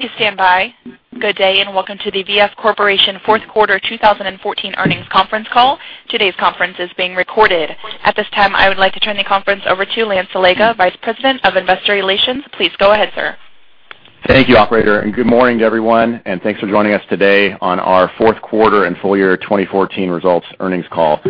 Please stand by. Good day, welcome to the V.F. Corporation Fourth Quarter 2014 Earnings Conference Call. Today's conference is being recorded. At this time, I would like to turn the conference over to Lance Allega, Vice President of Investor Relations. Please go ahead, sir. Thank you, operator, good morning to everyone, thanks for joining us today on our fourth quarter and full year 2014 results earnings call.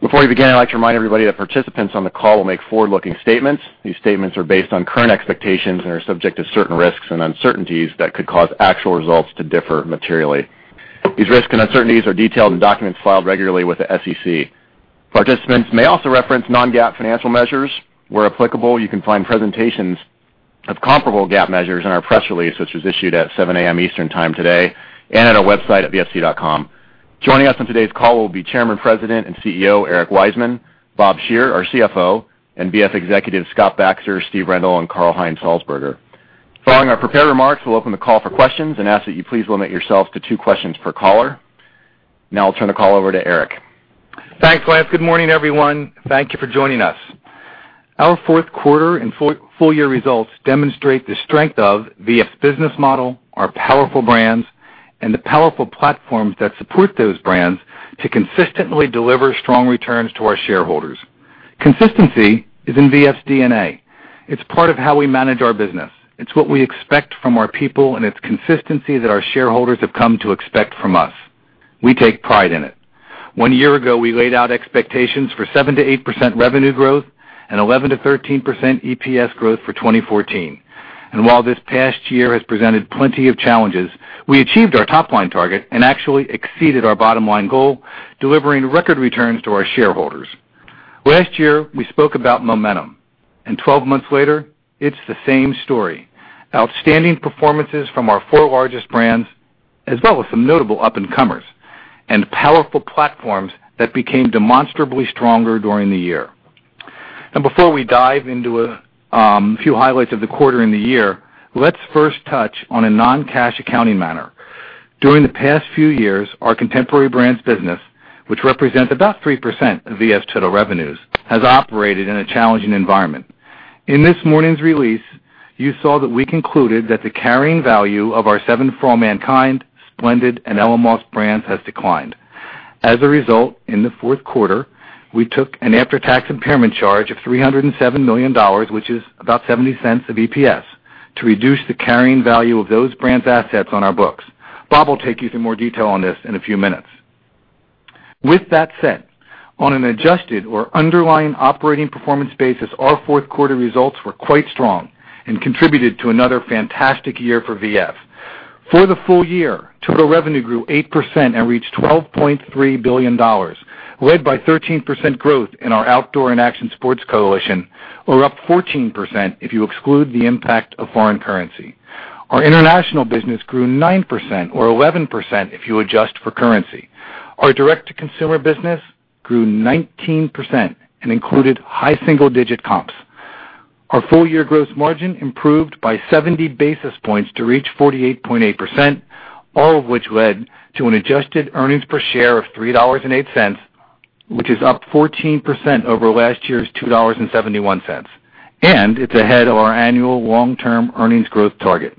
Before we begin, I'd like to remind everybody that participants on the call will make forward-looking statements. These statements are based on current expectations and are subject to certain risks and uncertainties that could cause actual results to differ materially. These risks and uncertainties are detailed in documents filed regularly with the SEC. Participants may also reference non-GAAP financial measures. Where applicable, you can find presentations of comparable GAAP measures in our press release, which was issued at 7:00 A.M. Eastern Time today, at our website at vf.com. Joining us on today's call will be Chairman, President, and CEO, Eric Wiseman; Bob Shearer, our CFO; and V.F. executive Scott Baxter, Steve Rendle, and Karl Heinz Salzburger. Following our prepared remarks, we'll open the call for questions and ask that you please limit yourself to two questions per caller. Now I'll turn the call over to Eric. Thanks, Lance. Good morning, everyone. Thank you for joining us. Our fourth quarter and full year results demonstrate the strength of V.F.'s business model, our powerful brands, and the powerful platforms that support those brands to consistently deliver strong returns to our shareholders. Consistency is in V.F.'s DNA. It's part of how we manage our business. It's what we expect from our people, it's consistency that our shareholders have come to expect from us. We take pride in it. One year ago, we laid out expectations for 7%-8% revenue growth and 11%-13% EPS growth for 2014. While this past year has presented plenty of challenges, we achieved our top-line target and actually exceeded our bottom-line goal, delivering record returns to our shareholders. Last year, we spoke about momentum, 12 months later, it's the same story. Outstanding performances from our four largest brands, as well as some notable up-and-comers, and powerful platforms that became demonstrably stronger during the year. Before we dive into a few highlights of the quarter and the year, let's first touch on a non-cash accounting manner. During the past few years, our Contemporary Brands business, which represents about 3% of V.F.'s total revenues, has operated in a challenging environment. In this morning's release, you saw that we concluded that the carrying value of our 7 For All Mankind, Splendid, and Ella Moss brands has declined. As a result, in the fourth quarter, we took an after-tax impairment charge of $307 million, which is about $0.70 of EPS, to reduce the carrying value of those brands' assets on our books. Bob will take you through more detail on this in a few minutes. With that said, on an adjusted or underlying operating performance basis, our fourth quarter results were quite strong and contributed to another fantastic year for V.F. For the full year, total revenue grew 8% and reached $12.3 billion, led by 13% growth in our Outdoor & Action Sports Coalition, or up 14% if you exclude the impact of foreign currency. Our international business grew 9%, or 11%, if you adjust for currency. Our direct-to-consumer business grew 19% and included high single-digit comps. Our full-year gross margin improved by 70 basis points to reach 48.8%, all of which led to an adjusted earnings per share of $3.08, which is up 14% over last year's $2.71. It's ahead of our annual long-term earnings growth target.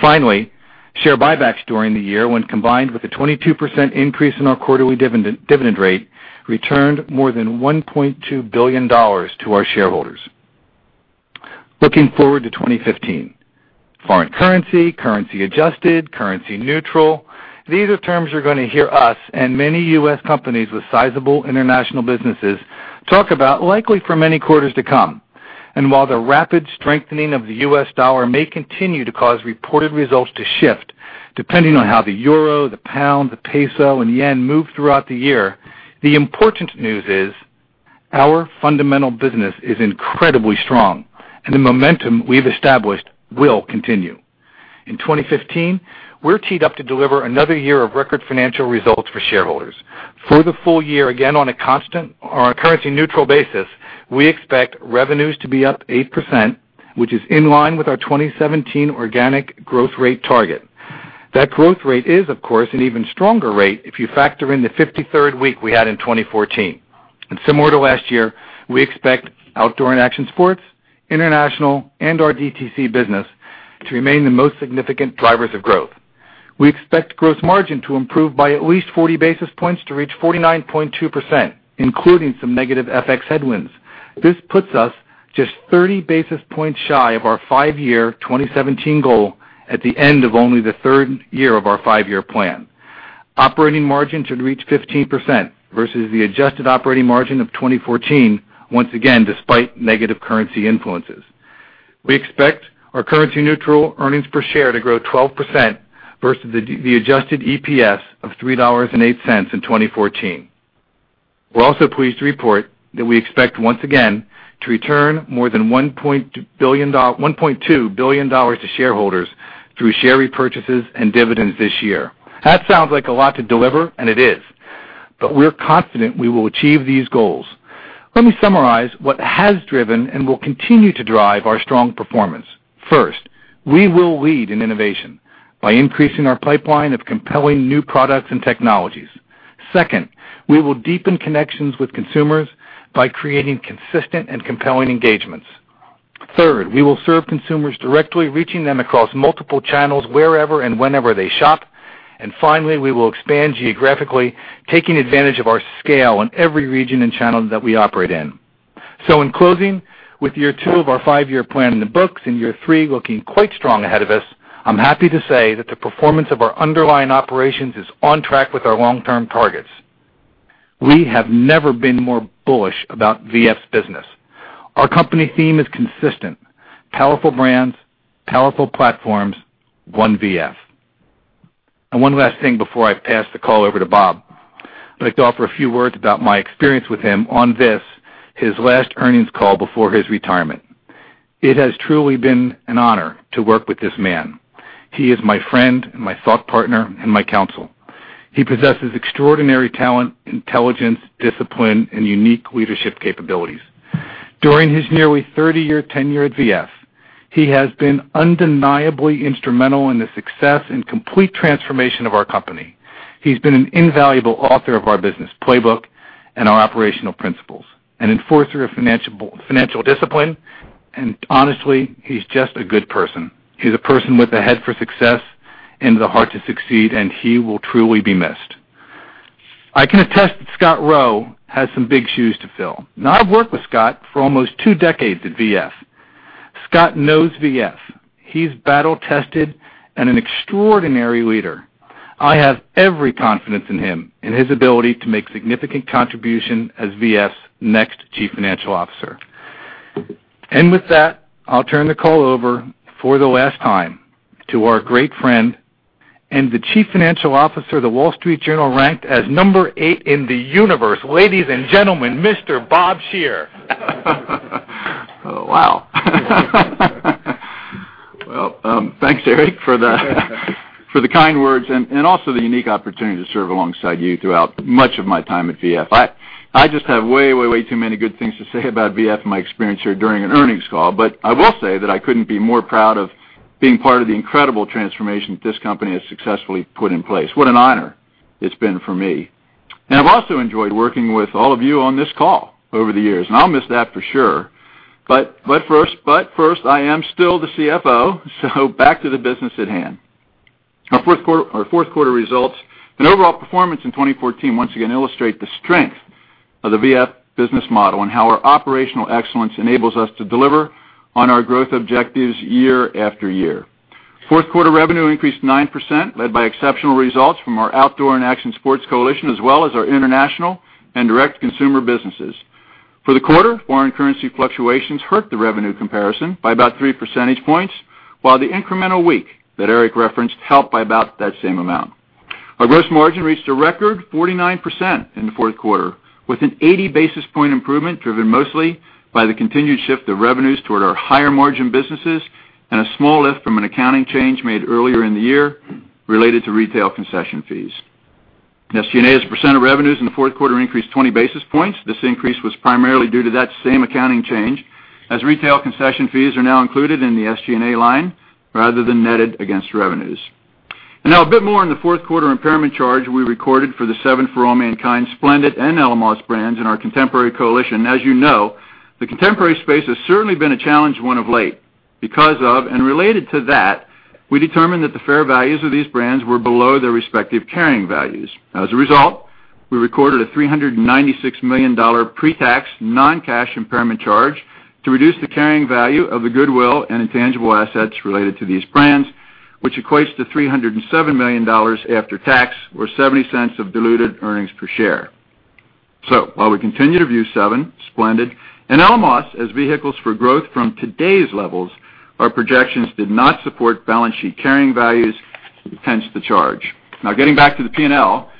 Finally, share buybacks during the year, when combined with a 22% increase in our quarterly dividend rate, returned more than $1.2 billion to our shareholders. Looking forward to 2015. Foreign currency adjusted, currency neutral. These are terms you're going to hear us and many U.S. companies with sizable international businesses talk about likely for many quarters to come. While the rapid strengthening of the U.S. dollar may continue to cause reported results to shift, depending on how the euro, the pound, the peso, and yen move throughout the year, the important news is our fundamental business is incredibly strong, and the momentum we've established will continue. In 2015, we're teed up to deliver another year of record financial results for shareholders. For the full year, again, on a currency-neutral basis, we expect revenues to be up 8%, which is in line with our 2017 organic growth rate target. That growth rate is, of course, an even stronger rate if you factor in the 53rd week we had in 2014. Similar to last year, we expect Outdoor & Action Sports, international, and our DTC business to remain the most significant drivers of growth. We expect gross margin to improve by at least 40 basis points to reach 49.2%, including some negative FX headwinds. This puts us just 30 basis points shy of our five-year 2017 goal at the end of only the third year of our five-year plan. Operating margin should reach 15%, versus the adjusted operating margin of 2014, once again, despite negative currency influences. We expect our currency-neutral earnings per share to grow 12%, versus the adjusted EPS of $3.08 in 2014. We're also pleased to report that we expect, once again, to return more than $1.2 billion to shareholders through share repurchases and dividends this year. That sounds like a lot to deliver, and it is, but we're confident we will achieve these goals. Let me summarize what has driven and will continue to drive our strong performance. First, we will lead in innovation by increasing our pipeline of compelling new products and technologies. Second, we will deepen connections with consumers by creating consistent and compelling engagements. Third, we will serve consumers directly, reaching them across multiple channels wherever and whenever they shop. Finally, we will expand geographically, taking advantage of our scale in every region and channel that we operate in. In closing, with year two of our five-year plan in the books and year three looking quite strong ahead of us, I'm happy to say that the performance of our underlying operations is on track with our long-term targets. We have never been more bullish about V.F.'s business. Our company theme is consistent. Powerful brands, powerful platforms, one V.F. One last thing before I pass the call over to Bob. I'd like to offer a few words about my experience with him on this, his last earnings call before his retirement. It has truly been an honor to work with this man. He is my friend, my thought partner, and my counsel. He possesses extraordinary talent, intelligence, discipline, and unique leadership capabilities. During his nearly 30-year tenure at V.F., he has been undeniably instrumental in the success and complete transformation of our company. He's been an invaluable author of our business playbook and our operational principles, an enforcer of financial discipline, and honestly, he's just a good person. He's a person with a head for success and the heart to succeed, and he will truly be missed. I can attest that Scott Roe has some big shoes to fill. I've worked with Scott for almost two decades at V.F. Scott knows V.F. He's battle-tested and an extraordinary leader. I have every confidence in him, in his ability to make significant contribution as V.F.'s next Chief Financial Officer. With that, I'll turn the call over for the last time to our great friend and the Chief Financial Officer The Wall Street Journal ranked as number eight in the universe. Ladies and gentlemen, Mr. Bob Shearer. Thanks, Eric, for the kind words and also the unique opportunity to serve alongside you throughout much of my time at V.F. I just have way too many good things to say about V.F. and my experience here during an earnings call, but I will say that I couldn't be more proud of being part of the incredible transformation that this company has successfully put in place. What an honor it's been for me. I've also enjoyed working with all of you on this call over the years, and I'll miss that for sure. First, I am still the CFO, back to the business at hand. Our fourth quarter results and overall performance in 2014 once again illustrate the strength of the V.F. business model and how our operational excellence enables us to deliver on our growth objectives year after year. Fourth quarter revenue increased 9%, led by exceptional results from our Outdoor & Action Sports Coalition, as well as our international and direct consumer businesses. For the quarter, foreign currency fluctuations hurt the revenue comparison by about three percentage points, while the incremental week that Eric referenced helped by about that same amount. Our gross margin reached a record 49% in the fourth quarter, with an 80 basis point improvement driven mostly by the continued shift of revenues toward our higher-margin businesses and a small lift from an accounting change made earlier in the year related to retail concession fees. SG&A as a % of revenues in the fourth quarter increased 20 basis points. This increase was primarily due to that same accounting change, as retail concession fees are now included in the SG&A line rather than netted against revenues. Now a bit more on the fourth quarter impairment charge we recorded for the 7 For All Mankind, Splendid, and Ella Moss brands in our Contemporary Brands Coalition. As you know, the contemporary space has certainly been a challenged one of late. Because of and related to that, we determined that the fair values of these brands were below their respective carrying values. As a result, we recorded a $396 million pre-tax non-cash impairment charge to reduce the carrying value of the goodwill and intangible assets related to these brands, which equates to $307 million after tax, or $0.70 of diluted earnings per share. While we continue to view 7, Splendid, and Ella Moss as vehicles for growth from today's levels, our projections did not support balance sheet carrying values, hence the charge. Now getting back to the P&L.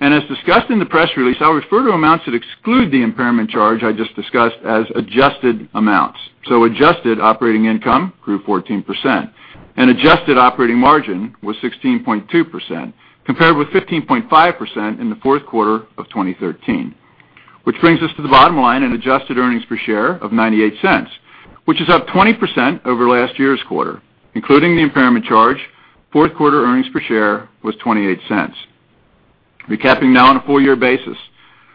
As discussed in the press release, I'll refer to amounts that exclude the impairment charge I just discussed as adjusted amounts. Adjusted operating income grew 14%, and adjusted operating margin was 16.2%, compared with 15.5% in the fourth quarter of 2013, which brings us to the bottom line and adjusted earnings per share of $0.98, which is up 20% over last year's quarter. Including the impairment charge, fourth quarter earnings per share was $0.28. Recapping now on a full year basis.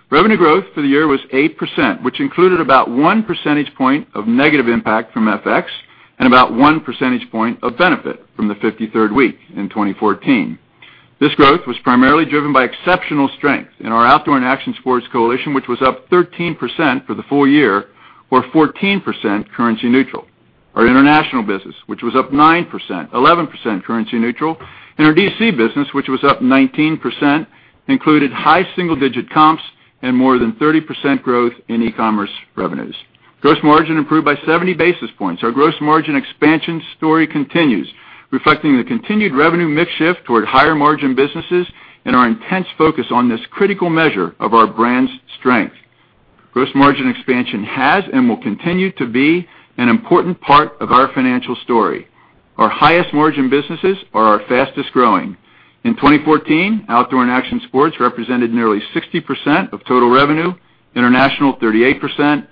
Revenue growth for the year was 8%, which included about one percentage point of negative impact from FX and about one percentage point of benefit from the 53rd week in 2014. This growth was primarily driven by exceptional strength in our Outdoor & Action Sports Coalition, which was up 13% for the full year or 14% currency neutral. Our international business, which was up 9%, 11% currency neutral, and our D2C business, which was up 19%, included high single-digit comps and more than 30% growth in e-commerce revenues. Gross margin improved by 70 basis points. Our gross margin expansion story continues, reflecting the continued revenue mix shift toward higher margin businesses and our intense focus on this critical measure of our brand's strength. Gross margin expansion has and will continue to be an important part of our financial story. Our highest margin businesses are our fastest-growing. In 2014, Outdoor & Action Sports represented nearly 60% of total revenue, international 38%,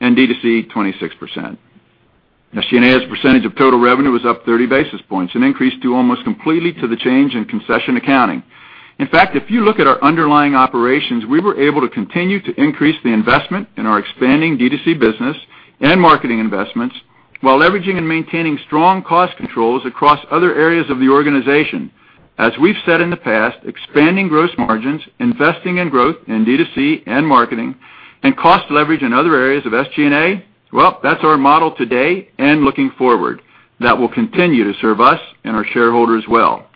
and D2C 26%. SG&A as a % of total revenue was up 30 basis points, an increase due almost completely to the change in concession accounting. In fact, if you look at our underlying operations, we were able to continue to increase the investment in our expanding D2C business and marketing investments while leveraging and maintaining strong cost controls across other areas of the organization. As we've said in the past, expanding gross margins, investing in growth in D2C and marketing, and cost leverage in other areas of SG&A, well, that's our model today and looking forward. That will continue to serve us and our shareholders well.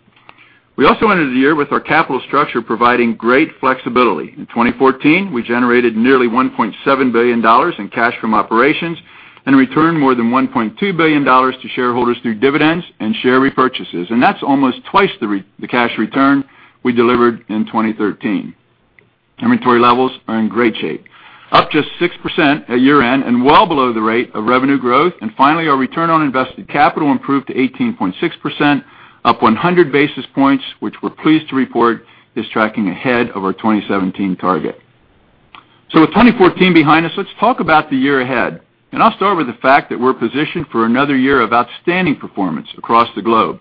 We also entered the year with our capital structure providing great flexibility. In 2014, we generated nearly $1.7 billion in cash from operations and returned more than $1.2 billion to shareholders through dividends and share repurchases. That's almost twice the cash return we delivered in 2013. Inventory levels are in great shape, up just 6% at year-end and well below the rate of revenue growth. Finally, our return on invested capital improved to 18.6%, up 100 basis points, which we're pleased to report is tracking ahead of our 2017 target. With 2014 behind us, let's talk about the year ahead. I'll start with the fact that we're positioned for another year of outstanding performance across the globe.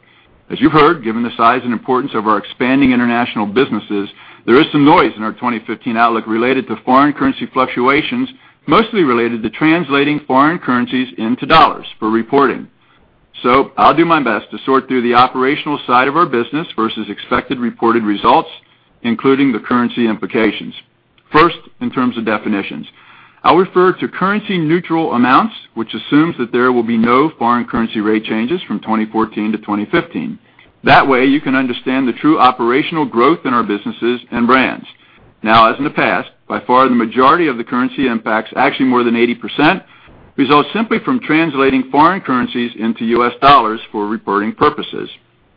As you've heard, given the size and importance of our expanding international businesses, there is some noise in our 2015 outlook related to foreign currency fluctuations, mostly related to translating foreign currencies into dollars for reporting. I'll do my best to sort through the operational side of our business versus expected reported results, including the currency implications. First, in terms of definitions. I'll refer to currency-neutral amounts, which assumes that there will be no foreign currency rate changes from 2014 to 2015. That way, you can understand the true operational growth in our businesses and brands. As in the past, by far the majority of the currency impacts, actually more than 80%, result simply from translating foreign currencies into US dollars for reporting purposes.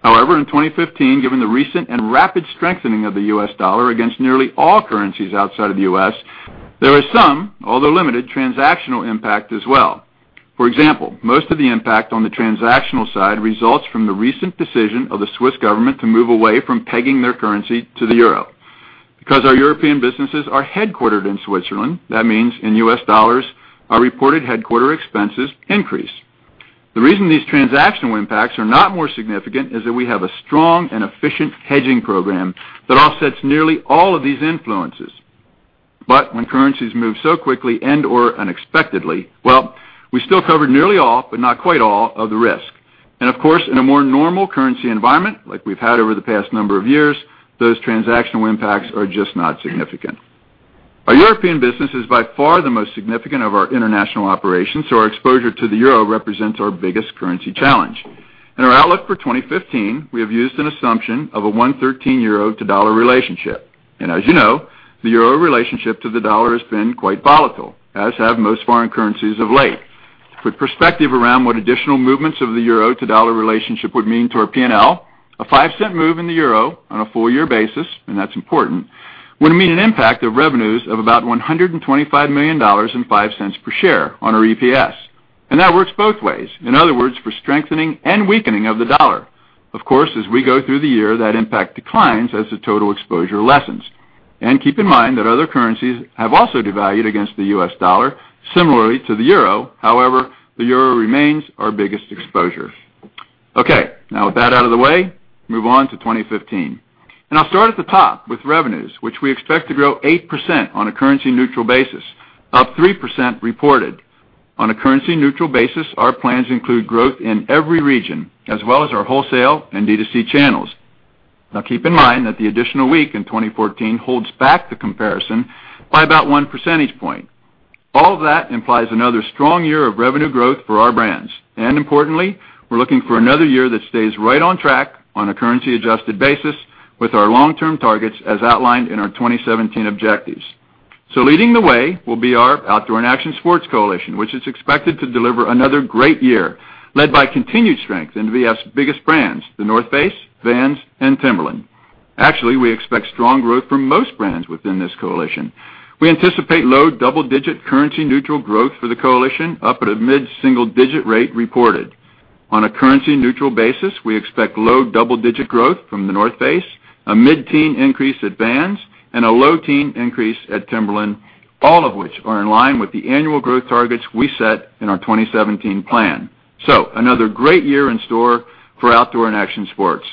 However, in 2015, given the recent and rapid strengthening of the US dollar against nearly all currencies outside of the U.S., there is some, although limited, transactional impact as well. For example, most of the impact on the transactional side results from the recent decision of the Swiss government to move away from pegging their currency to the euro. Because our European businesses are headquartered in Switzerland, that means in US dollars, our reported headquarter expenses increase. The reason these transactional impacts are not more significant is that we have a strong and efficient hedging program that offsets nearly all of these influences. When currencies move so quickly and/or unexpectedly, well, we still covered nearly all, but not quite all, of the risk. Of course, in a more normal currency environment, like we've had over the past number of years, those transactional impacts are just not significant. Our European business is by far the most significant of our international operations, so our exposure to the euro represents our biggest currency challenge. In our outlook for 2015, we have used an assumption of a 1.13 euro to dollar relationship. As you know, the euro relationship to the dollar has been quite volatile, as have most foreign currencies of late. For perspective around what additional movements of the euro to dollar relationship would mean to our P&L, a five-cent move in the euro on a full-year basis, and that's important, would mean an impact of revenues of about $125 million and $0.05 per share on our EPS. That works both ways. In other words, for strengthening and weakening of the dollar. Of course, as we go through the year, that impact declines as the total exposure lessens. Keep in mind that other currencies have also devalued against the U.S. dollar similarly to the euro. However, the euro remains our biggest exposure. Okay, now with that out of the way, move on to 2015. I'll start at the top with revenues, which we expect to grow 8% on a currency-neutral basis, up 3% reported. On a currency-neutral basis, our plans include growth in every region, as well as our wholesale and D2C channels. Now, keep in mind that the additional week in 2014 holds back the comparison by about one percentage point. All of that implies another strong year of revenue growth for our brands. Importantly, we're looking for another year that stays right on track on a currency-adjusted basis with our long-term targets as outlined in our 2017 objectives. Leading the way will be our Outdoor & Action Sports Coalition, which is expected to deliver another great year, led by continued strength in V.F.'s biggest brands, The North Face, Vans, and Timberland. Actually, we expect strong growth from most brands within this coalition. We anticipate low double-digit currency-neutral growth for the coalition, up at a mid-single-digit rate reported. On a currency-neutral basis, we expect low double-digit growth from The North Face, a mid-teen increase at Vans, and a low-teen increase at Timberland, all of which are in line with the annual growth targets we set in our 2017 plan. Another great year in store for Outdoor & Action Sports.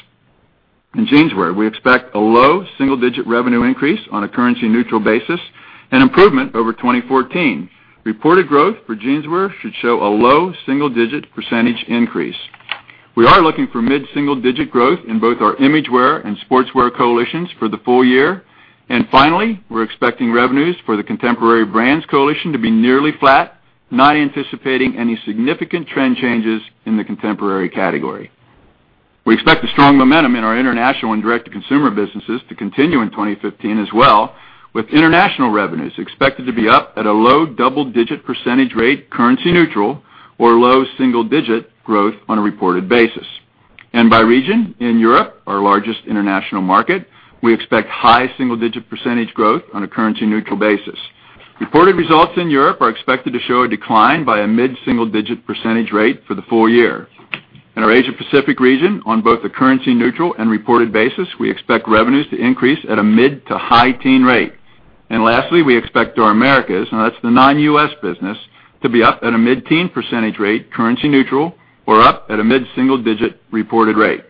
In Jeanswear, we expect a low single-digit revenue increase on a currency-neutral basis and improvement over 2014. Reported growth for Jeanswear should show a low single-digit percentage increase. We are looking for mid-single-digit growth in both our Imagewear and Sportswear coalitions for the full year. Finally, we're expecting revenues for the Contemporary Brands Coalition to be nearly flat, not anticipating any significant trend changes in the contemporary category. We expect the strong momentum in our international and direct-to-consumer businesses to continue in 2015 as well, with international revenues expected to be up at a low double-digit percentage rate currency neutral or low single-digit growth on a reported basis. By region, in Europe, our largest international market, we expect high single-digit percentage growth on a currency-neutral basis. Reported results in Europe are expected to show a decline by a mid-single-digit percentage rate for the full year. In our Asia Pacific region on both the currency neutral and reported basis, we expect revenues to increase at a mid to high teen rate. Lastly, we expect our Americas, and that's the non-U.S. business, to be up at a mid-teen percentage rate currency neutral or up at a mid-single-digit reported rate.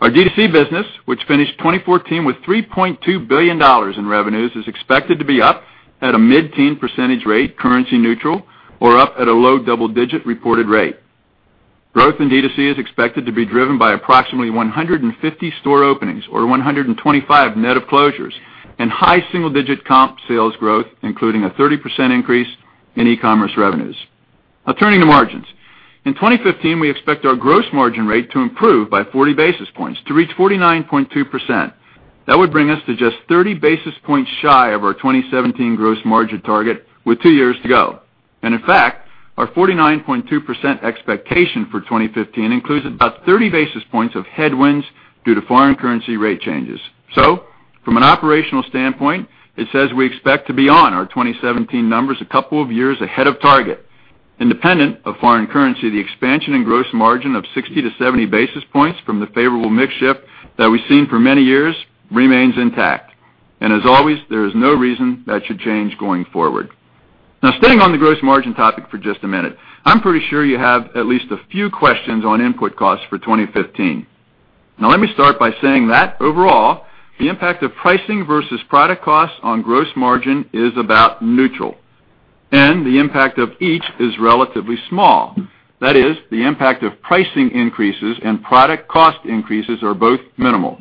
Our D2C business, which finished 2014 with $3.2 billion in revenues, is expected to be up at a mid-teen percentage rate currency neutral or up at a low double-digit reported rate. Growth in D2C is expected to be driven by approximately 150 store openings or 125 net of closures and high single-digit comp sales growth, including a 30% increase in e-commerce revenues. Turning to margins. In 2015, we expect our gross margin rate to improve by 40 basis points to reach 49.2%. That would bring us to just 30 basis points shy of our 2017 gross margin target with two years to go. In fact, our 49.2% expectation for 2015 includes about 30 basis points of headwinds due to foreign currency rate changes. From an operational standpoint, it says we expect to be on our 2017 numbers a couple of years ahead of target. Independent of foreign currency, the expansion in gross margin of 60 to 70 basis points from the favorable mix shift that we've seen for many years remains intact. As always, there is no reason that should change going forward. Staying on the gross margin topic for just a minute, I'm pretty sure you have at least a few questions on input costs for 2015. Let me start by saying that overall, the impact of pricing versus product costs on gross margin is about neutral. The impact of each is relatively small. That is, the impact of pricing increases and product cost increases are both minimal.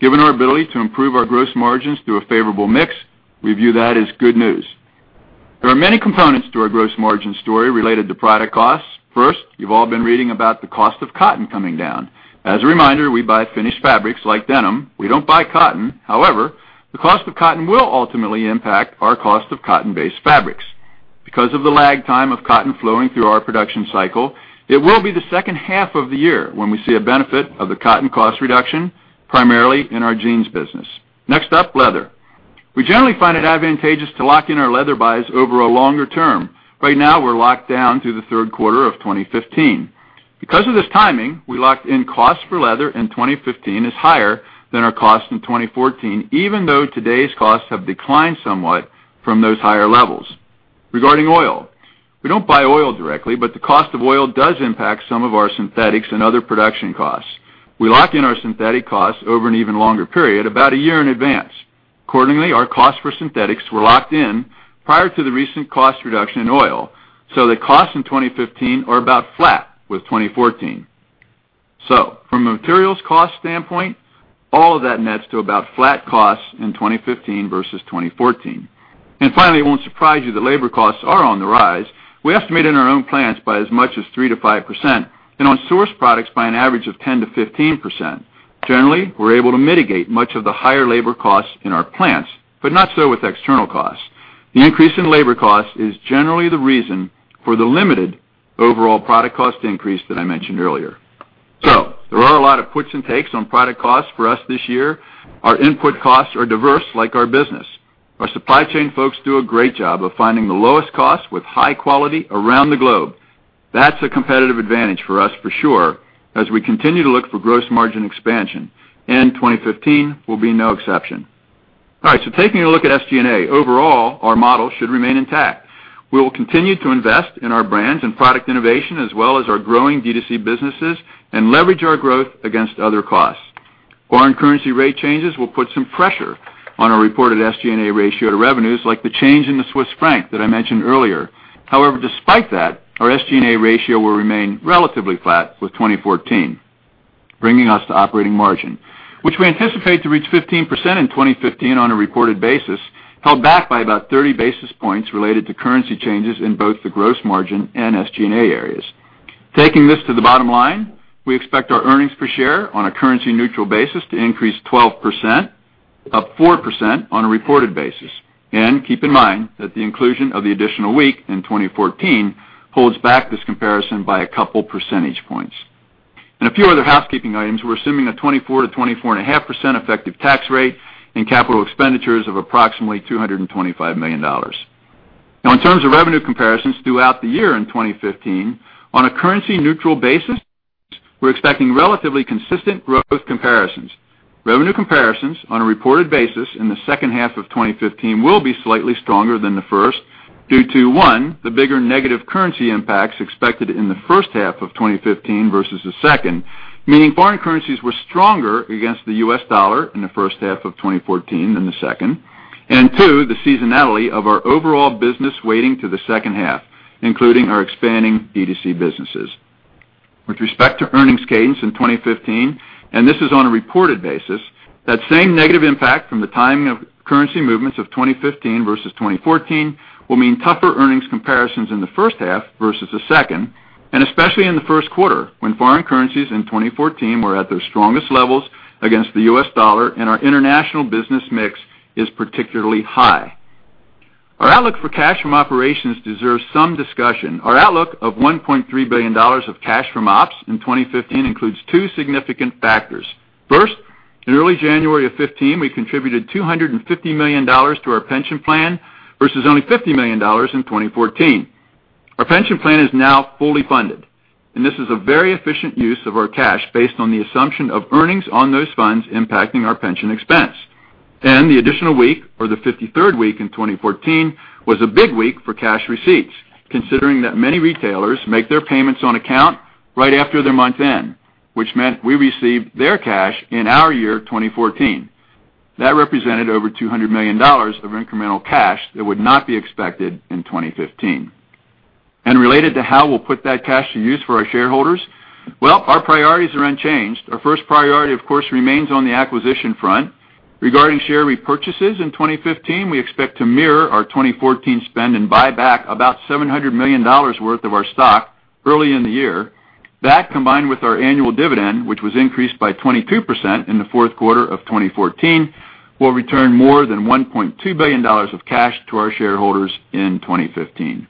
Given our ability to improve our gross margins through a favorable mix, we view that as good news. There are many components to our gross margin story related to product costs. First, you've all been reading about the cost of cotton coming down. As a reminder, we buy finished fabrics like denim. We don't buy cotton. However, the cost of cotton will ultimately impact our cost of cotton-based fabrics. Because of the lag time of cotton flowing through our production cycle, it will be the second half of the year when we see a benefit of the cotton cost reduction, primarily in our jeans business. Next up, leather. We generally find it advantageous to lock in our leather buys over a longer term. Right now, we're locked down through the third quarter of 2015. Because of this timing, we locked in costs for leather in 2015 is higher than our cost in 2014, even though today's costs have declined somewhat from those higher levels. Regarding oil, we don't buy oil directly, but the cost of oil does impact some of our synthetics and other production costs. We lock in our synthetic costs over an even longer period, about a year in advance. Accordingly, our costs for synthetics were locked in prior to the recent cost reduction in oil, the costs in 2015 are about flat with 2014. From a materials cost standpoint, all of that nets to about flat costs in 2015 versus 2014. Finally, it won't surprise you that labor costs are on the rise. We estimate in our own plants by as much as 3%-5% and on sourced products by an average of 10%-15%. Generally, we're able to mitigate much of the higher labor costs in our plants, but not so with external costs. The increase in labor cost is generally the reason for the limited overall product cost increase that I mentioned earlier. There are a lot of puts and takes on product costs for us this year. Our input costs are diverse like our business. Our supply chain folks do a great job of finding the lowest cost with high quality around the globe. That's a competitive advantage for us for sure as we continue to look for gross margin expansion, and 2015 will be no exception. Taking a look at SG&A. Overall, our model should remain intact. We will continue to invest in our brands and product innovation as well as our growing D2C businesses and leverage our growth against other costs. Foreign currency rate changes will put some pressure on our reported SG&A ratio to revenues like the change in the Swiss franc that I mentioned earlier. However, despite that, our SG&A ratio will remain relatively flat with 2014. Bringing us to operating margin, which we anticipate to reach 15% in 2015 on a reported basis, held back by about 30 basis points related to currency changes in both the gross margin and SG&A areas. Taking this to the bottom line, we expect our earnings per share on a currency neutral basis to increase 12%, up 4% on a reported basis. Keep in mind that the inclusion of the additional week in 2014 holds back this comparison by a couple percentage points. A few other housekeeping items. We're assuming a 24%-24.5% effective tax rate and capital expenditures of approximately $225 million. In terms of revenue comparisons throughout the year in 2015, on a currency neutral basis, we're expecting relatively consistent growth comparisons. Revenue comparisons on a reported basis in the second half of 2015 will be slightly stronger than the first due to, one, the bigger negative currency impacts expected in the first half of 2015 versus the second, meaning foreign currencies were stronger against the US dollar in the first half of 2014 than the second. Two, the seasonality of our overall business weighting to the second half, including our expanding D2C businesses. With respect to earnings cadence in 2015, this is on a reported basis, that same negative impact from the timing of currency movements of 2015 versus 2014 will mean tougher earnings comparisons in the first half versus the second, and especially in the first quarter when foreign currencies in 2014 were at their strongest levels against the US dollar and our international business mix is particularly high. Our outlook for cash from operations deserves some discussion. Our outlook of $1.3 billion of cash from ops in 2015 includes two significant factors. First, in early January of 2015, we contributed $250 million to our pension plan versus only $50 million in 2014. Our pension plan is now fully funded, this is a very efficient use of our cash based on the assumption of earnings on those funds impacting our pension expense. The additional week or the 53rd week in 2014 was a big week for cash receipts, considering that many retailers make their payments on account right after their month end, which meant we received their cash in our year 2014. That represented over $200 million of incremental cash that would not be expected in 2015. Related to how we'll put that cash to use for our shareholders, well, our priorities are unchanged. Our first priority, of course, remains on the acquisition front. Regarding share repurchases in 2015, we expect to mirror our 2014 spend and buyback about $700 million worth of our stock early in the year. That, combined with our annual dividend, which was increased by 22% in the fourth quarter of 2014, will return more than $1.2 billion of cash to our shareholders in 2015.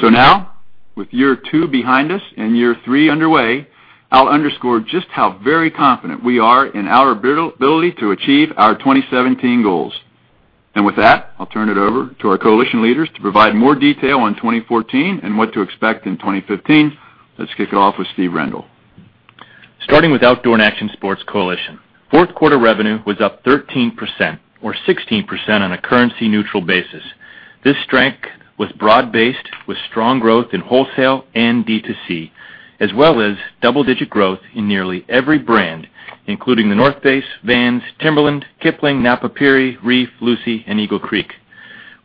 Now, with year two behind us and year three underway, I'll underscore just how very confident we are in our ability to achieve our 2017 goals. With that, I'll turn it over to our coalition leaders to provide more detail on 2014 and what to expect in 2015. Let's kick it off with Steve Rendle. Starting with Outdoor & Action Sports Coalition. Fourth quarter revenue was up 13% or 16% on a currency-neutral basis. This strength was broad-based with strong growth in wholesale and D2C, as well as double-digit growth in nearly every brand, including The North Face, Vans, Timberland, Kipling, Napapijri, Reef, Lucy, and Eagle Creek.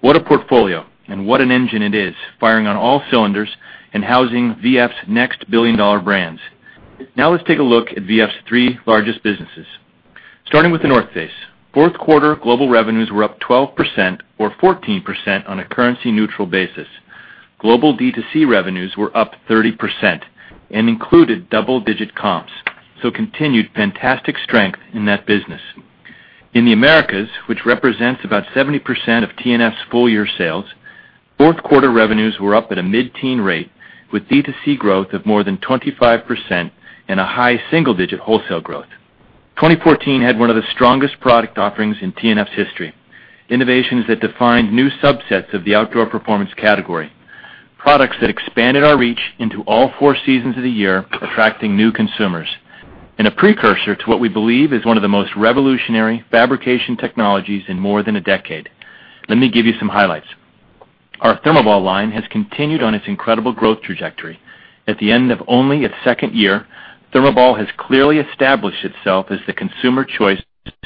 What a portfolio and what an engine it is, firing on all cylinders and housing V.F.'s next billion-dollar brands. Let's take a look at V.F.'s three largest businesses. Starting with The North Face. Fourth quarter global revenues were up 12% or 14% on a currency-neutral basis. Global D2C revenues were up 30% and included double-digit comps, so continued fantastic strength in that business. In the Americas, which represents about 70% of TNF's full-year sales, fourth quarter revenues were up at a mid-teen rate, with D2C growth of more than 25% and a high single-digit wholesale growth. 2014 had one of the strongest product offerings in TNF's history, innovations that defined new subsets of the outdoor performance category, products that expanded our reach into all four seasons of the year, attracting new consumers, a precursor to what we believe is one of the most revolutionary fabrication technologies in more than a decade. Let me give you some highlights. Our ThermoBall line has continued on its incredible growth trajectory. At the end of only its second year, ThermoBall has clearly established itself as the consumer choice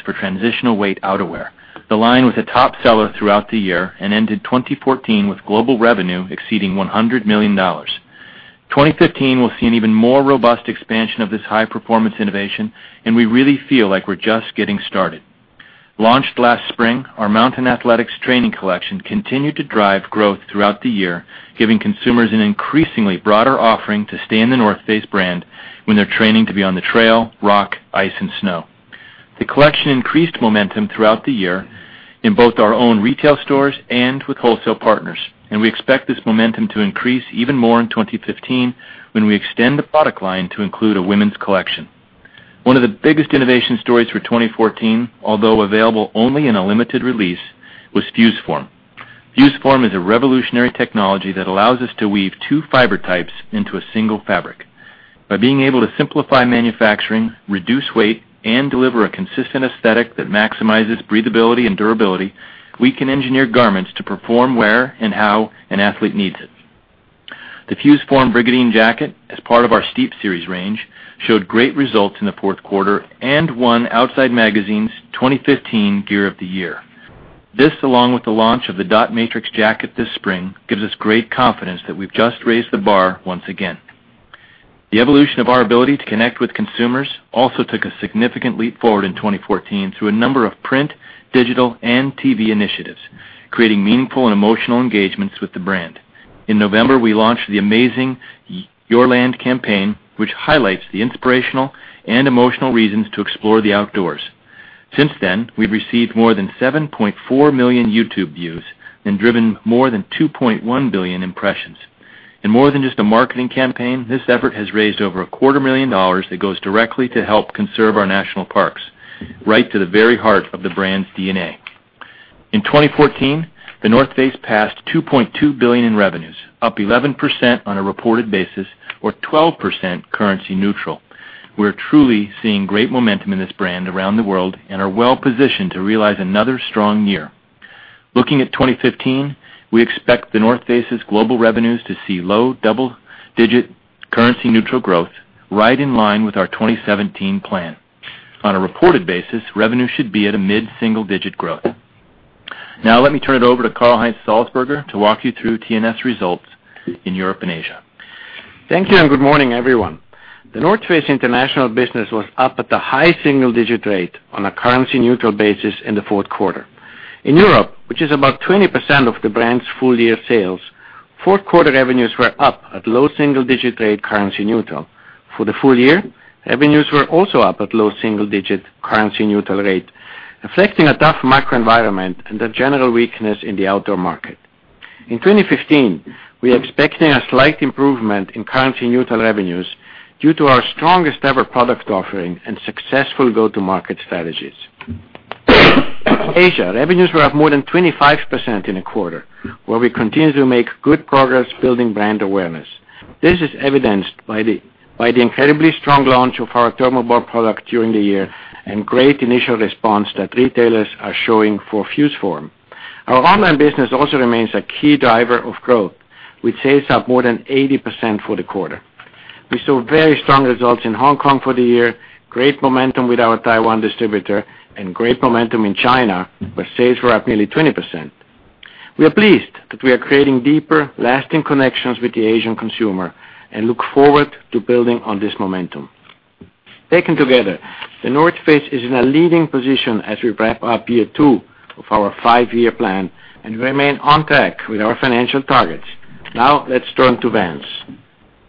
for transitional weight outerwear. The line was a top seller throughout the year and ended 2014 with global revenue exceeding $100 million. 2015 will see an even more robust expansion of this high-performance innovation, we really feel like we're just getting started. Launched last spring, our Mountain Athletics training collection continued to drive growth throughout the year, giving consumers an increasingly broader offering to stay in The North Face brand when they're training to be on the trail, rock, ice, and snow. The collection increased momentum throughout the year in both our own retail stores and with wholesale partners. We expect this momentum to increase even more in 2015 when we extend the product line to include a women's collection. One of the biggest innovation stories for 2014, although available only in a limited release, was FuseForm. FuseForm is a revolutionary technology that allows us to weave two fiber types into a single fabric. By being able to simplify manufacturing, reduce weight, and deliver a consistent aesthetic that maximizes breathability and durability, we can engineer garments to perform where and how an athlete needs it. The FuseForm Brigandine jacket, as part of our Steep Series range, showed great results in the fourth quarter and won Outside Magazine's 2015 Gear of the Year. This, along with the launch of the Dot Matrix jacket this spring, gives us great confidence that we've just raised the bar once again. The evolution of our ability to connect with consumers also took a significant leap forward in 2014 through a number of print, digital, and TV initiatives, creating meaningful and emotional engagements with the brand. In November, we launched the amazing Your Land campaign, which highlights the inspirational and emotional reasons to explore the outdoors. Since then, we've received more than 7.4 million YouTube views and driven more than 2.1 billion impressions. In more than just a marketing campaign, this effort has raised over a quarter million dollars that goes directly to help conserve our national parks, right to the very heart of the brand's DNA. In 2014, The North Face passed $2.2 billion in revenues, up 11% on a reported basis or 12% currency neutral. We're truly seeing great momentum in this brand around the world and are well-positioned to realize another strong year. Looking at 2015, we expect The North Face's global revenues to see low double-digit currency-neutral growth, right in line with our 2017 plan. On a reported basis, revenue should be at a mid-single-digit growth. Let me turn it over to Karl-Heinz Salzburger to walk you through TNF results in Europe and Asia. Thank you. Good morning, everyone. The North Face international business was up at a high single-digit rate on a currency-neutral basis in the fourth quarter. In Europe, which is about 20% of the brand's full-year sales, fourth quarter revenues were up at low single-digit rate currency neutral. For the full year, revenues were also up at low single-digit currency neutral rate, reflecting a tough macro environment and the general weakness in the outdoor market. In 2015, we are expecting a slight improvement in currency-neutral revenues due to our strongest-ever product offering and successful go-to-market strategies. Asia, revenues were up more than 25% in a quarter, where we continue to make good progress building brand awareness. This is evidenced by the incredibly strong launch of our ThermoBall product during the year and great initial response that retailers are showing for FuseForm. Our online business also remains a key driver of growth, with sales up more than 80% for the quarter. We saw very strong results in Hong Kong for the year, great momentum with our Taiwan distributor, and great momentum in China, where sales were up nearly 20%. We are pleased that we are creating deeper, lasting connections with the Asian consumer and look forward to building on this momentum. Taken together, The North Face is in a leading position as we wrap up year two of our five-year plan and remain on track with our financial targets. Let's turn to Vans.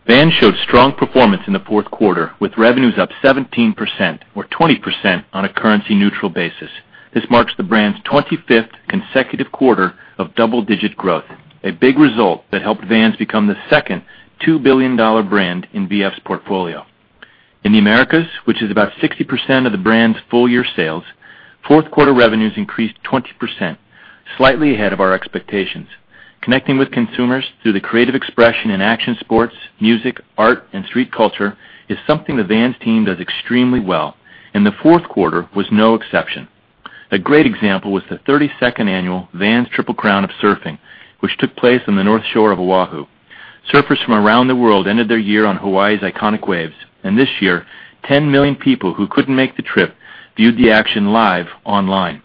Vans showed strong performance in the fourth quarter, with revenues up 17%, or 20% on a currency-neutral basis. This marks the brand's 25th consecutive quarter of double-digit growth, a big result that helped Vans become the second $2 billion brand in V.F.'s portfolio. In the Americas, which is about 60% of the brand's full-year sales, fourth quarter revenues increased 20%, slightly ahead of our expectations. Connecting with consumers through the creative expression in action sports, music, art, and street culture is something the Vans team does extremely well, and the fourth quarter was no exception. A great example was the 32nd Annual Vans Triple Crown of Surfing, which took place on the North Shore of Oahu. Surfers from around the world ended their year on Hawaii's iconic waves, and this year, 10 million people who couldn't make the trip viewed the action live online.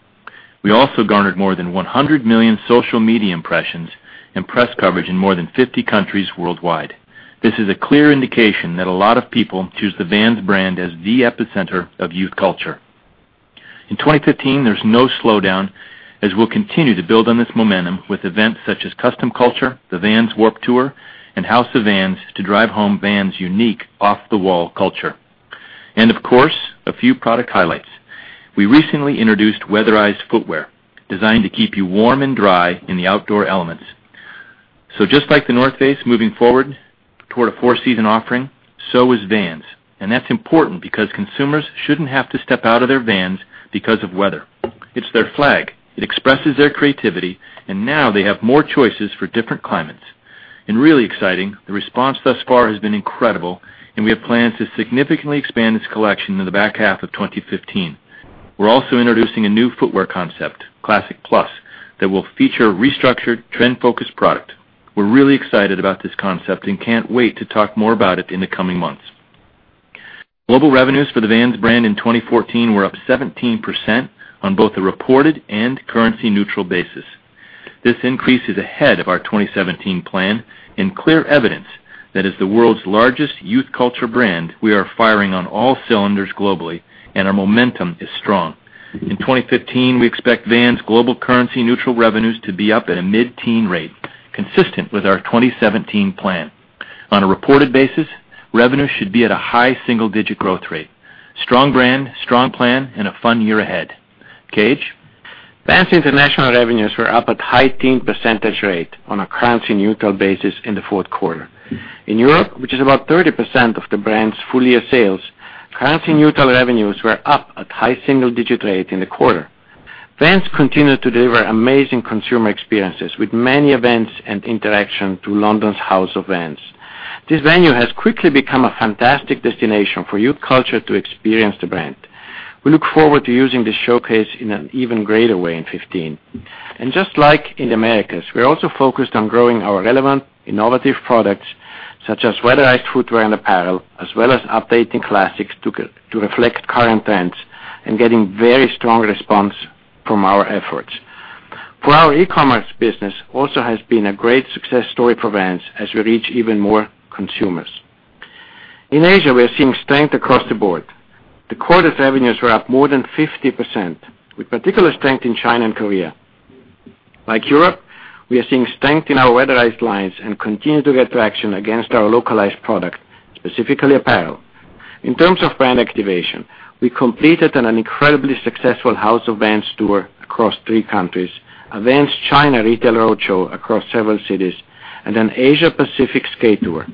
We also garnered more than 100 million social media impressions and press coverage in more than 50 countries worldwide. This is a clear indication that a lot of people choose the Vans brand as the epicenter of youth culture. In 2015, there's no slowdown, as we'll continue to build on this momentum with events such as Custom Culture, the Vans Warped Tour, and House of Vans to drive home Vans' unique off-the-wall culture. Of course, a few product highlights. We recently introduced weatherized footwear, designed to keep you warm and dry in the outdoor elements. Just like The North Face moving forward toward a four-season offering, so is Vans, and that's important because consumers shouldn't have to step out of their Vans because of weather. It's their flag. It expresses their creativity, and now they have more choices for different climates. Really exciting, the response thus far has been incredible, we have plans to significantly expand this collection in the back half of 2015. We're also introducing a new footwear concept, Classic Plus, that will feature a restructured trend-focused product. We're really excited about this concept and can't wait to talk more about it in the coming months. Global revenues for the Vans brand in 2014 were up 17% on both a reported and currency-neutral basis. This increase is ahead of our 2017 plan and clear evidence that as the world's largest youth culture brand, we are firing on all cylinders globally, our momentum is strong. In 2015, we expect Vans' global currency-neutral revenues to be up at a mid-teen rate, consistent with our 2017 plan. On a reported basis, revenues should be at a high single-digit growth rate. Strong brand, strong plan, a fun year ahead. Karl Heinz? Vans International revenues were up a high teen percentage rate on a currency-neutral basis in the fourth quarter. In Europe, which is about 30% of the brand's full-year sales, currency-neutral revenues were up a high single-digit rate in the quarter. Vans continue to deliver amazing consumer experiences with many events and interaction through London's House of Vans. This venue has quickly become a fantastic destination for youth culture to experience the brand. We look forward to using this showcase in an even greater way in 2015. Just like in the Americas, we are also focused on growing our relevant, innovative products, such as weatherized footwear and apparel, as well as updating classics to reflect current trends and getting very strong response from our efforts. Our e-commerce business also has been a great success story for Vans as we reach even more consumers. In Asia, we are seeing strength across the board. The quarter's revenues were up more than 50%, with particular strength in China and Korea. Like Europe, we are seeing strength in our weatherized lines and continue to get traction against our localized product, specifically apparel. In terms of brand activation, we completed an incredibly successful House of Vans tour across three countries, a Vans China retail roadshow across several cities, an Asia Pacific skate tour.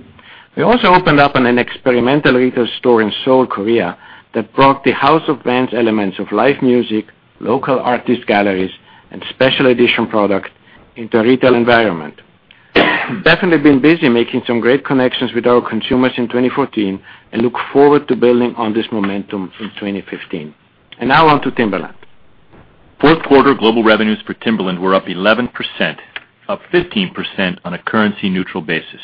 We also opened up an experimental retail store in Seoul, Korea, that brought the House of Vans elements of live music, local artist galleries, and special edition product into a retail environment. Definitely been busy making some great connections with our consumers in 2014 and look forward to building on this momentum in 2015. Now on to Timberland. Fourth quarter global revenues for Timberland were up 11%, up 15% on a currency-neutral basis.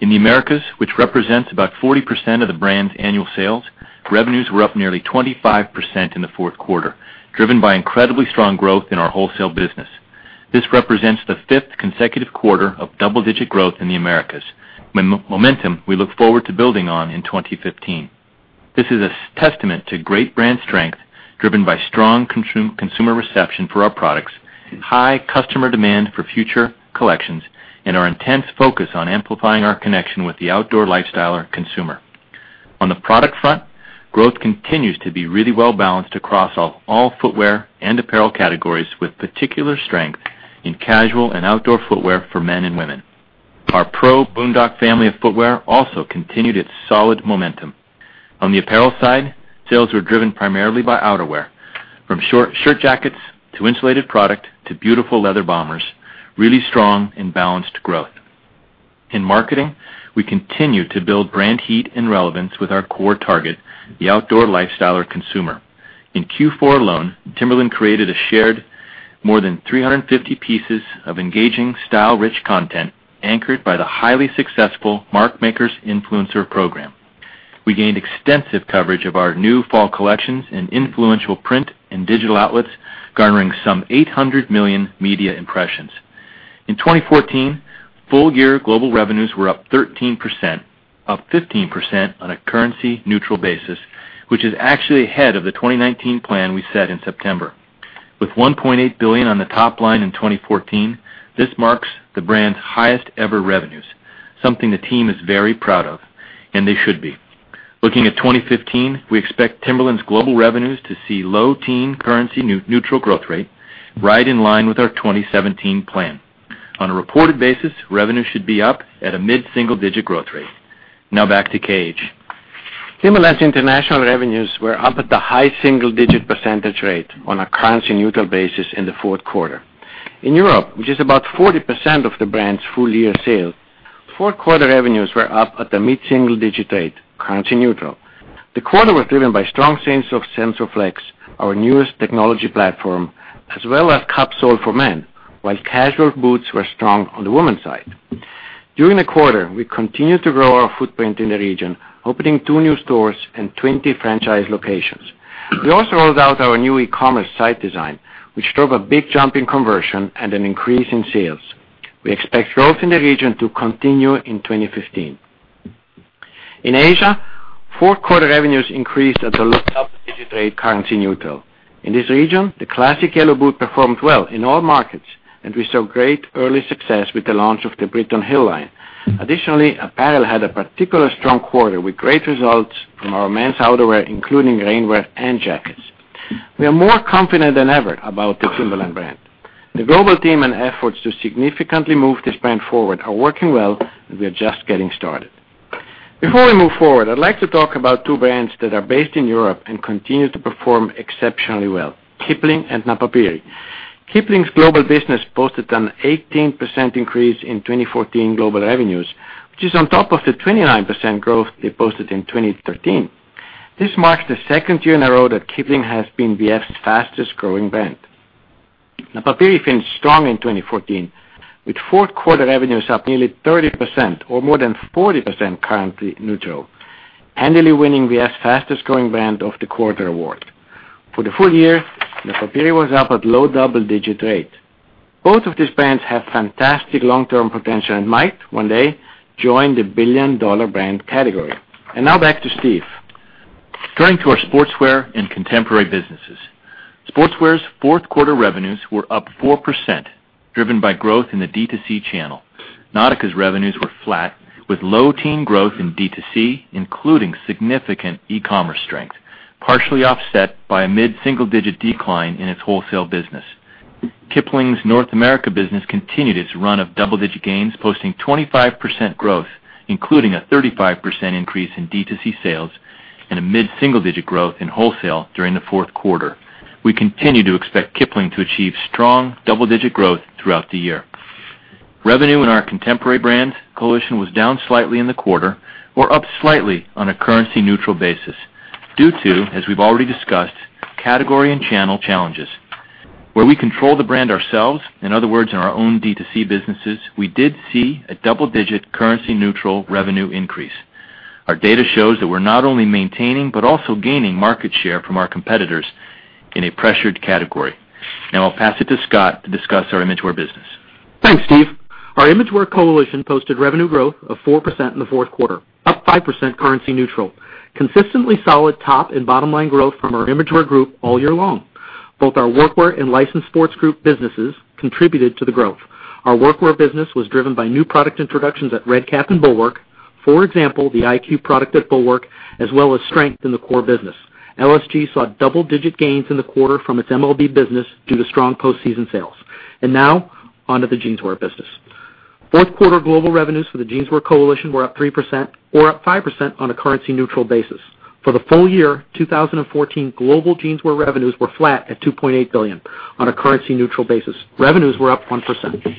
In the Americas, which represents about 40% of the brand's annual sales, revenues were up nearly 25% in the fourth quarter, driven by incredibly strong growth in our wholesale business. This represents the fifth consecutive quarter of double-digit growth in the Americas, momentum we look forward to building on in 2015. This is a testament to great brand strength, driven by strong consumer reception for our products, high customer demand for future collections, our intense focus on amplifying our connection with the outdoor lifestyler consumer. On the product front, growth continues to be really well-balanced across all footwear and apparel categories, with particular strength in casual and outdoor footwear for men and women. Our PRO Boondock family of footwear also continued its solid momentum. On the apparel side, sales were driven primarily by outerwear, from shirt jackets to insulated product to beautiful leather bombers. Really strong and balanced growth. In marketing, we continue to build brand heat and relevance with our core target, the outdoor lifestyler consumer. In Q4 alone, Timberland created more than 350 pieces of engaging style-rich content, anchored by the highly successful Mark Makers influencer program. We gained extensive coverage of our new fall collections in influential print and digital outlets, garnering some 800 million media impressions. In 2014, full-year global revenues were up 13%, up 15% on a currency-neutral basis, which is actually ahead of the 2019 plan we set in September. With $1.8 billion on the top line in 2014, this marks the brand's highest-ever revenues, something the team is very proud of, and they should be. Looking at 2015, we expect Timberland's global revenues to see low-teen currency neutral growth rate, right in line with our 2017 plan. On a reported basis, revenue should be up at a mid-single-digit growth rate. Now back to Cage. Timberland's international revenues were up at the high single-digit percentage rate on a currency-neutral basis in the fourth quarter. In Europe, which is about 40% of the brand's full-year sales, fourth quarter revenues were up at the mid-single-digit rate, currency neutral. The quarter was driven by strong sales of SensorFlex, our newest technology platform, as well as cupsole for men, while casual boots were strong on the women's side. During the quarter, we continued to grow our footprint in the region, opening two new stores and 20 franchise locations. We also rolled out our new e-commerce site design, which drove a big jump in conversion and an increase in sales. We expect growth in the region to continue in 2015. In Asia, fourth quarter revenues increased at the low double-digit rate, currency neutral. In this region, the classic yellow boot performed well in all markets, and we saw great early success with the launch of the Britton Hill line. Additionally, apparel had a particular strong quarter, with great results from our men's outerwear, including rainwear and jackets. We are more confident than ever about the Timberland brand. The global team and efforts to significantly move this brand forward are working well, and we are just getting started. Before we move forward, I'd like to talk about two brands that are based in Europe and continue to perform exceptionally well, Kipling and Napapijri. Kipling's global business posted an 18% increase in 2014 global revenues, which is on top of the 29% growth they posted in 2013. This marks the second year in a row that Kipling has been V.F.'s fastest-growing brand. Napapijri finished strong in 2014, with fourth quarter revenues up nearly 30%, or more than 40% currency neutral, handily winning V.F.'s Fastest Growing Brand of the Quarter award. For the full year, Napapijri was up at low double-digit rate. Both of these brands have fantastic long-term potential and might one day join the billion-dollar brand category. Now back to Steve. Turning to our Sportswear and Contemporary businesses. Sportswear's fourth quarter revenues were up 4%, driven by growth in the D2C channel. Nautica's revenues were flat, with low teen growth in D2C, including significant e-commerce strength, partially offset by a mid-single-digit decline in its wholesale business. Kipling's North America business continued its run of double-digit gains, posting 25% growth, including a 35% increase in D2C sales and a mid-single-digit growth in wholesale during the fourth quarter. We continue to expect Kipling to achieve strong double-digit growth throughout the year. Revenue in our Contemporary Brands Coalition was down slightly in the quarter or up slightly on a currency-neutral basis due to, as we've already discussed, category and channel challenges. Where we control the brand ourselves, in other words, in our own D2C businesses, we did see a double-digit currency-neutral revenue increase. Our data shows that we're not only maintaining but also gaining market share from our competitors in a pressured category. I'll pass it to Scott to discuss our Imagewear business. Thanks, Steve. Our Imagewear Coalition posted revenue growth of 4% in the fourth quarter, up 5% currency neutral. Consistently solid top and bottom-line growth from our Imagewear group all year long. Both our Workwear and Licensed Sports Group businesses contributed to the growth. Our Workwear business was driven by new product introductions at Red Kap and Bulwark. For example, the iQ product at Bulwark, as well as strength in the core business. LSG saw double-digit gains in the quarter from its MLB business due to strong postseason sales. Now, on to the Jeanswear business. Fourth quarter global revenues for the Jeanswear Coalition were up 3%, or up 5% on a currency-neutral basis. For the full year 2014, global jeanswear revenues were flat at $2.8 billion. On a currency-neutral basis, revenues were up 1%.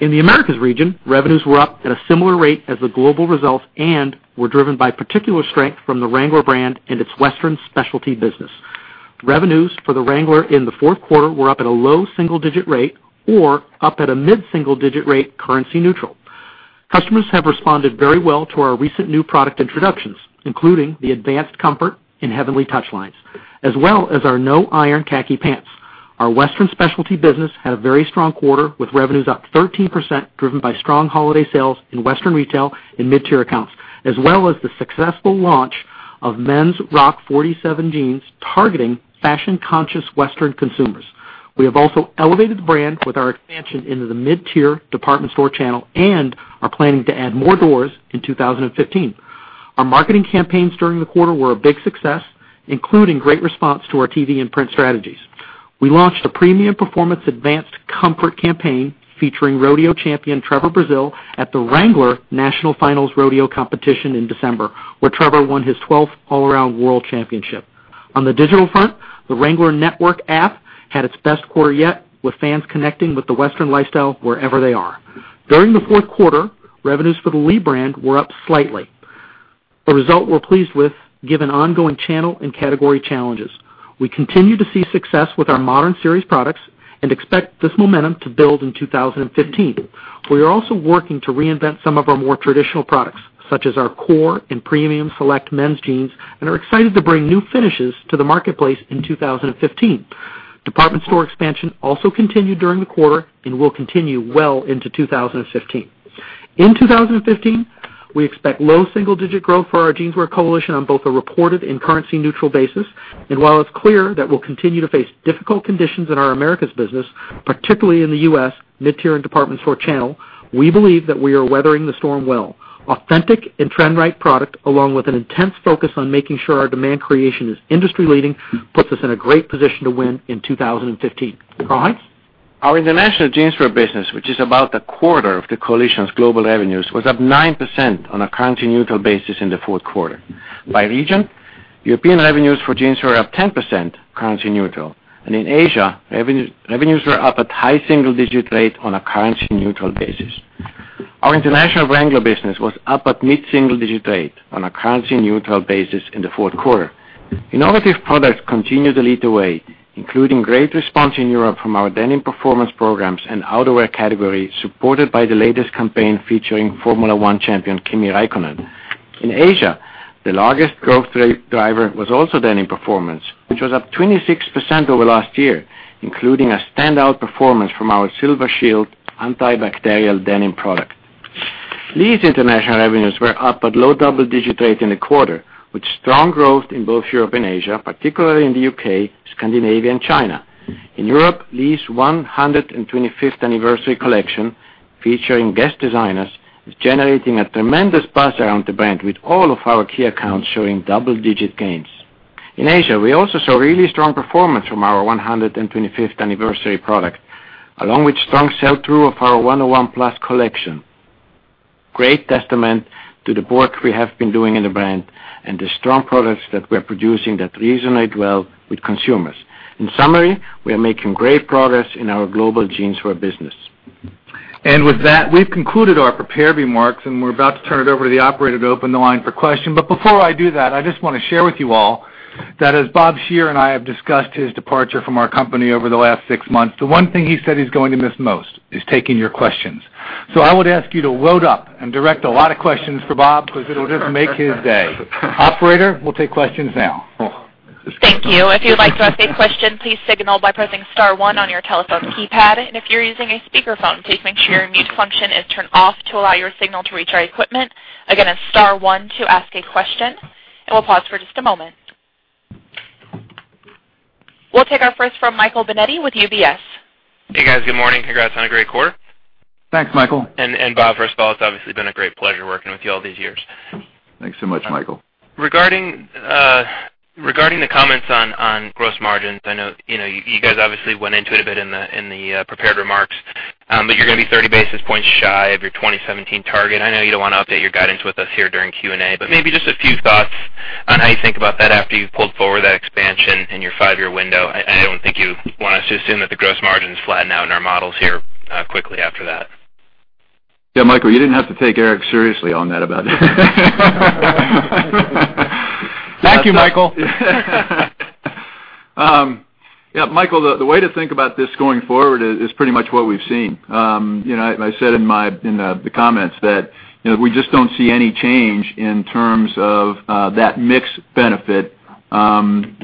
In the Americas region, revenues were up at a similar rate as the global results and were driven by particular strength from the Wrangler brand and its Western specialty business. Revenues for the Wrangler in the fourth quarter were up at a low single-digit rate or up at a mid-single-digit rate, currency neutral. Customers have responded very well to our recent new product introductions, including the Advanced Comfort and Heavenly Touch lines, as well as our No Iron khaki pants. Our Western specialty business had a very strong quarter, with revenues up 13%, driven by strong holiday sales in Western retail and mid-tier accounts, as well as the successful launch of men's Rock 47 jeans targeting fashion-conscious Western consumers. We have also elevated the brand with our expansion into the mid-tier department store channel and are planning to add more doors in 2015. Our marketing campaigns during the quarter were a big success, including great response to our TV and print strategies. We launched a premium performance Advanced Comfort campaign featuring rodeo champion Trevor Brazile at the Wrangler National Finals Rodeo competition in December, where Trevor won his 12th All-Around World Championship. On the digital front, the Wrangler Network app had its best quarter yet, with fans connecting with the Western lifestyle wherever they are. During the fourth quarter, revenues for the Lee brand were up slightly. A result we're pleased with, given ongoing channel and category challenges. We continue to see success with our Modern Series products and expect this momentum to build in 2015. We are also working to reinvent some of our more traditional products, such as our core and Premium Select men's jeans, and are excited to bring new finishes to the marketplace in 2015. Department store expansion also continued during the quarter and will continue well into 2015. In 2015, we expect low single-digit growth for our Jeanswear Coalition on both a reported and currency-neutral basis. While it's clear that we'll continue to face difficult conditions in our Americas business, particularly in the U.S. mid-tier and department store channel, we believe that we are weathering the storm well. Authentic and trend-right product, along with an intense focus on making sure our demand creation is industry-leading, puts us in a great position to win in 2015. Karl-Heinz? Our international Jeanswear business, which is about a quarter of the coalition's global revenues, was up 9% on a currency-neutral basis in the fourth quarter. By region, European revenues for jeans were up 10% currency neutral, and in Asia, revenues were up at high single-digit rate on a currency-neutral basis. Our international Wrangler business was up at mid-single-digit rate on a currency-neutral basis in the fourth quarter. Innovative products continue to lead the way, including great response in Europe from our Denim Performance programs and outerwear category, supported by the latest campaign featuring Formula One champion, Kimi Räikkönen. In Asia, the largest growth driver was also Denim Performance, which was up 26% over last year, including a standout performance from our Silver Shield antibacterial denim product. Lee's international revenues were up at low double-digit rate in the quarter, with strong growth in both Europe and Asia, particularly in the U.K., Scandinavia, and China. In Europe, Lee's 125th anniversary collection, featuring guest designers, is generating a tremendous buzz around the brand, with all of our key accounts showing double-digit gains. In Asia, we also saw really strong performance from our 125th anniversary product, along with strong sell-through of our 101+ collection. Great testament to the work we have been doing in the brand and the strong products that we're producing that resonate well with consumers. In summary, we are making great progress in our global Jeanswear business. With that, we've concluded our prepared remarks, and we're about to turn it over to the operator to open the line for question. Before I do that, I just want to share with you all that as Bob Shearer and I have discussed his departure from our company over the last 6 months, the one thing he said he's going to miss most is taking your questions. I would ask you to load up and direct a lot of questions for Bob, because it'll just make his day. Operator, we'll take questions now. Thank you. If you'd like to ask a question, please signal by pressing star 1 on your telephone keypad. If you're using a speakerphone, please make sure your mute function is turned off to allow your signal to reach our equipment. Again, it's star 1 to ask a question, and we'll pause for just a moment. We'll take our first from Michael Binetti with UBS. Hey, guys. Good morning. Congrats on a great quarter. Thanks, Michael. Bob, first of all, it's obviously been a great pleasure working with you all these years. Thanks so much, Michael. Regarding the comments on gross margins, I know you guys obviously went into it a bit in the prepared remarks, but you're going to be 30 basis points shy of your 2017 target. I know you don't want to update your guidance with us here during Q&A, but maybe just a few thoughts on how you think about that after you've pulled forward that expansion in your five-year window. I don't think you want us to assume that the gross margins flatten out in our models here quickly after that. Michael, you didn't have to take Eric seriously on that about Thank you, Michael. Michael, the way to think about this going forward is pretty much what we've seen. I said in the comments that we just don't see any change in terms of that mix benefit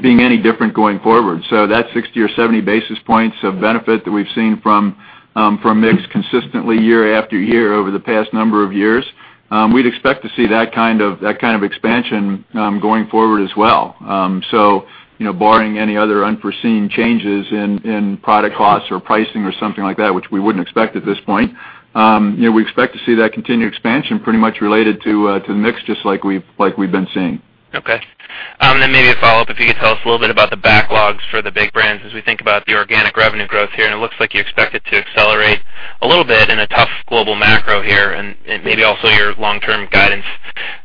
being any different going forward. That 60 or 70 basis points of benefit that we've seen from mix consistently year after year over the past number of years, we'd expect to see that kind of expansion going forward as well. Barring any other unforeseen changes in product costs or pricing or something like that, which we wouldn't expect at this point, we expect to see that continued expansion pretty much related to the mix, just like we've been seeing. Okay. Maybe a follow-up, if you could tell us a little bit about the backlogs for the big brands as we think about the organic revenue growth here, and it looks like you expect it to accelerate a little bit in a tough global macro here, and maybe also your long-term guidance.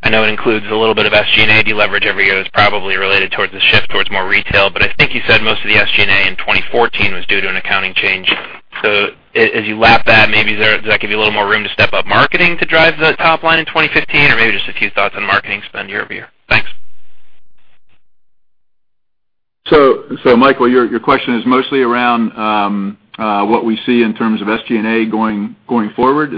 I know it includes a little bit of SG&A deleverage every year that's probably related towards the shift towards more retail, but I think you said most of the SG&A in 2014 was due to an accounting change. As you lap that, maybe does that give you a little more room to step up marketing to drive the top line in 2015? Or maybe just a few thoughts on marketing spend year-over-year. Thanks. Michael, your question is mostly around what we see in terms of SG&A going forward?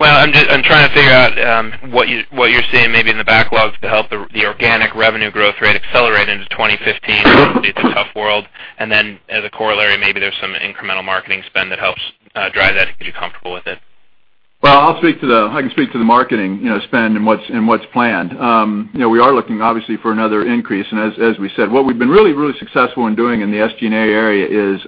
Well, I'm trying to figure out what you're seeing maybe in the backlogs to help the organic revenue growth rate accelerate into 2015, obviously it's a tough world. As a corollary, maybe there's some incremental marketing spend that helps drive that if you're comfortable with it. Well, I can speak to the marketing spend and what's planned. We are looking, obviously, for another increase. As we said, what we've been really successful in doing in the SG&A area is,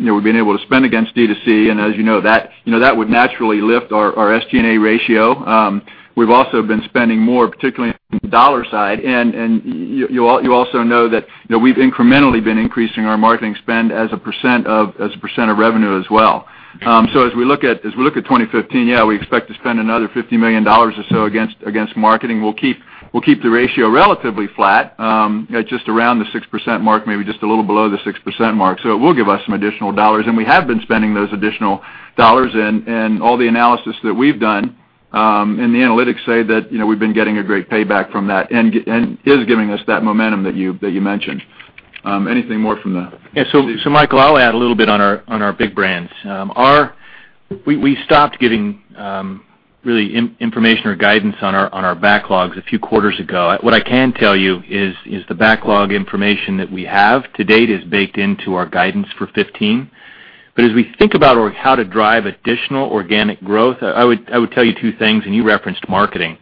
we've been able to spend against D2C, as you know, that would naturally lift our SG&A ratio. We've also been spending more, particularly on the dollar side, you also know that we've incrementally been increasing our marketing spend as a % of revenue as well. As we look at 2015, yeah, we expect to spend another $50 million or so against marketing. We'll keep the ratio relatively flat at just around the 6% mark, maybe just a little below the 6% mark. It will give us some additional dollars, we have been spending those additional dollars, all the analysis that we've done, the analytics say that we've been getting a great payback from that, is giving us that momentum that you mentioned. Anything more from the. Michael, I'll add a little bit on our big brands. We stopped giving really information or guidance on our backlogs a few quarters ago. What I can tell you is the backlog information that we have to date is baked into our guidance for 2015. As we think about how to drive additional organic growth, I would tell you two things, and you referenced marketing.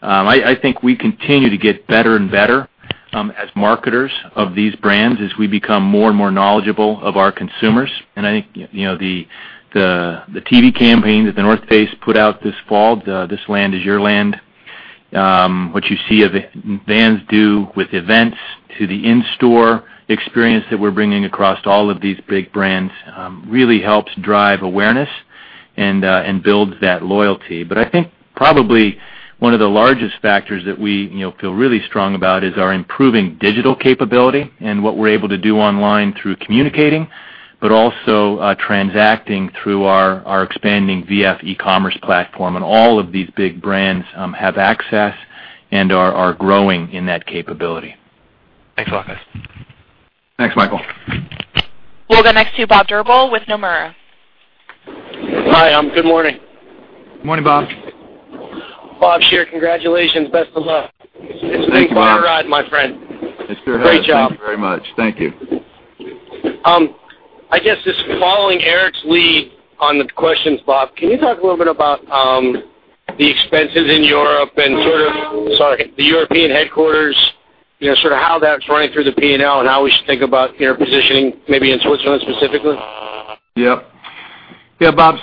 I think we continue to get better and better as marketers of these brands as we become more and more knowledgeable of our consumers. I think the TV campaign that The North Face put out this fall, the This Land Is Your Land, what you see Vans do with events to the in-store experience that we're bringing across all of these big brands, really helps drive awareness and builds that loyalty. I think probably one of the largest factors that we feel really strong about is our improving digital capability and what we're able to do online through communicating, but also transacting through our expanding V.F. e-commerce platform. All of these big brands have access and are growing in that capability. Thanks, guys. Thanks, Michael. We'll go next to Bob Drbul with Nomura. Hi, good morning. Morning, Bob. Bob Shearer, congratulations. Best of luck. Thank you. It's been quite a ride, my friend. It sure has. Great job. Thank you very much. Thank you. I guess just following Eric's lead on the questions, Bob, can you talk a little bit about the expenses in Europe and sort of, sorry, the European headquarters, sort of how that's running through the P&L and how we should think about your positioning, maybe in Switzerland specifically? Yes. Yes, Bob,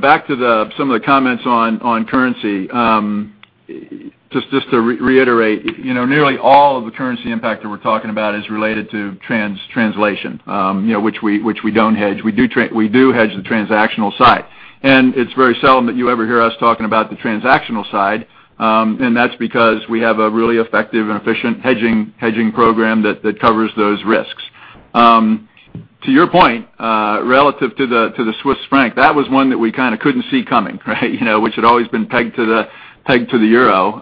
back to some of the comments on currency. Just to reiterate, nearly all of the currency impact that we're talking about is related to translation which we don't hedge. We do hedge the transactional side. It's very seldom that you ever hear us talking about the transactional side, and that's because we have a really effective and efficient hedging program that covers those risks. To your point, relative to the Swiss franc, that was one that we kind of couldn't see coming, right? Which had always been pegged to the euro.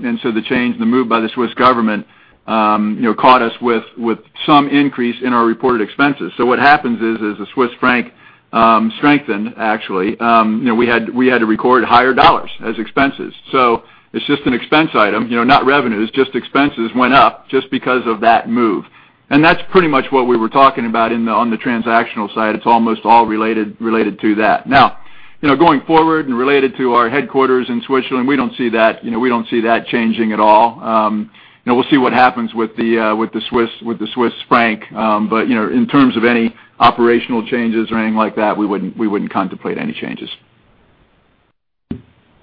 The change, the move by the Swiss government caught us with some increase in our reported expenses. What happens is, as the Swiss franc strengthened, actually, we had to record higher dollars as expenses. It's just an expense item, not revenues, just expenses went up just because of that move. That's pretty much what we were talking about on the transactional side. It's almost all related to that. Now, going forward and related to our headquarters in Switzerland, we don't see that changing at all. We'll see what happens with the Swiss franc. In terms of any operational changes or anything like that, we wouldn't contemplate any changes.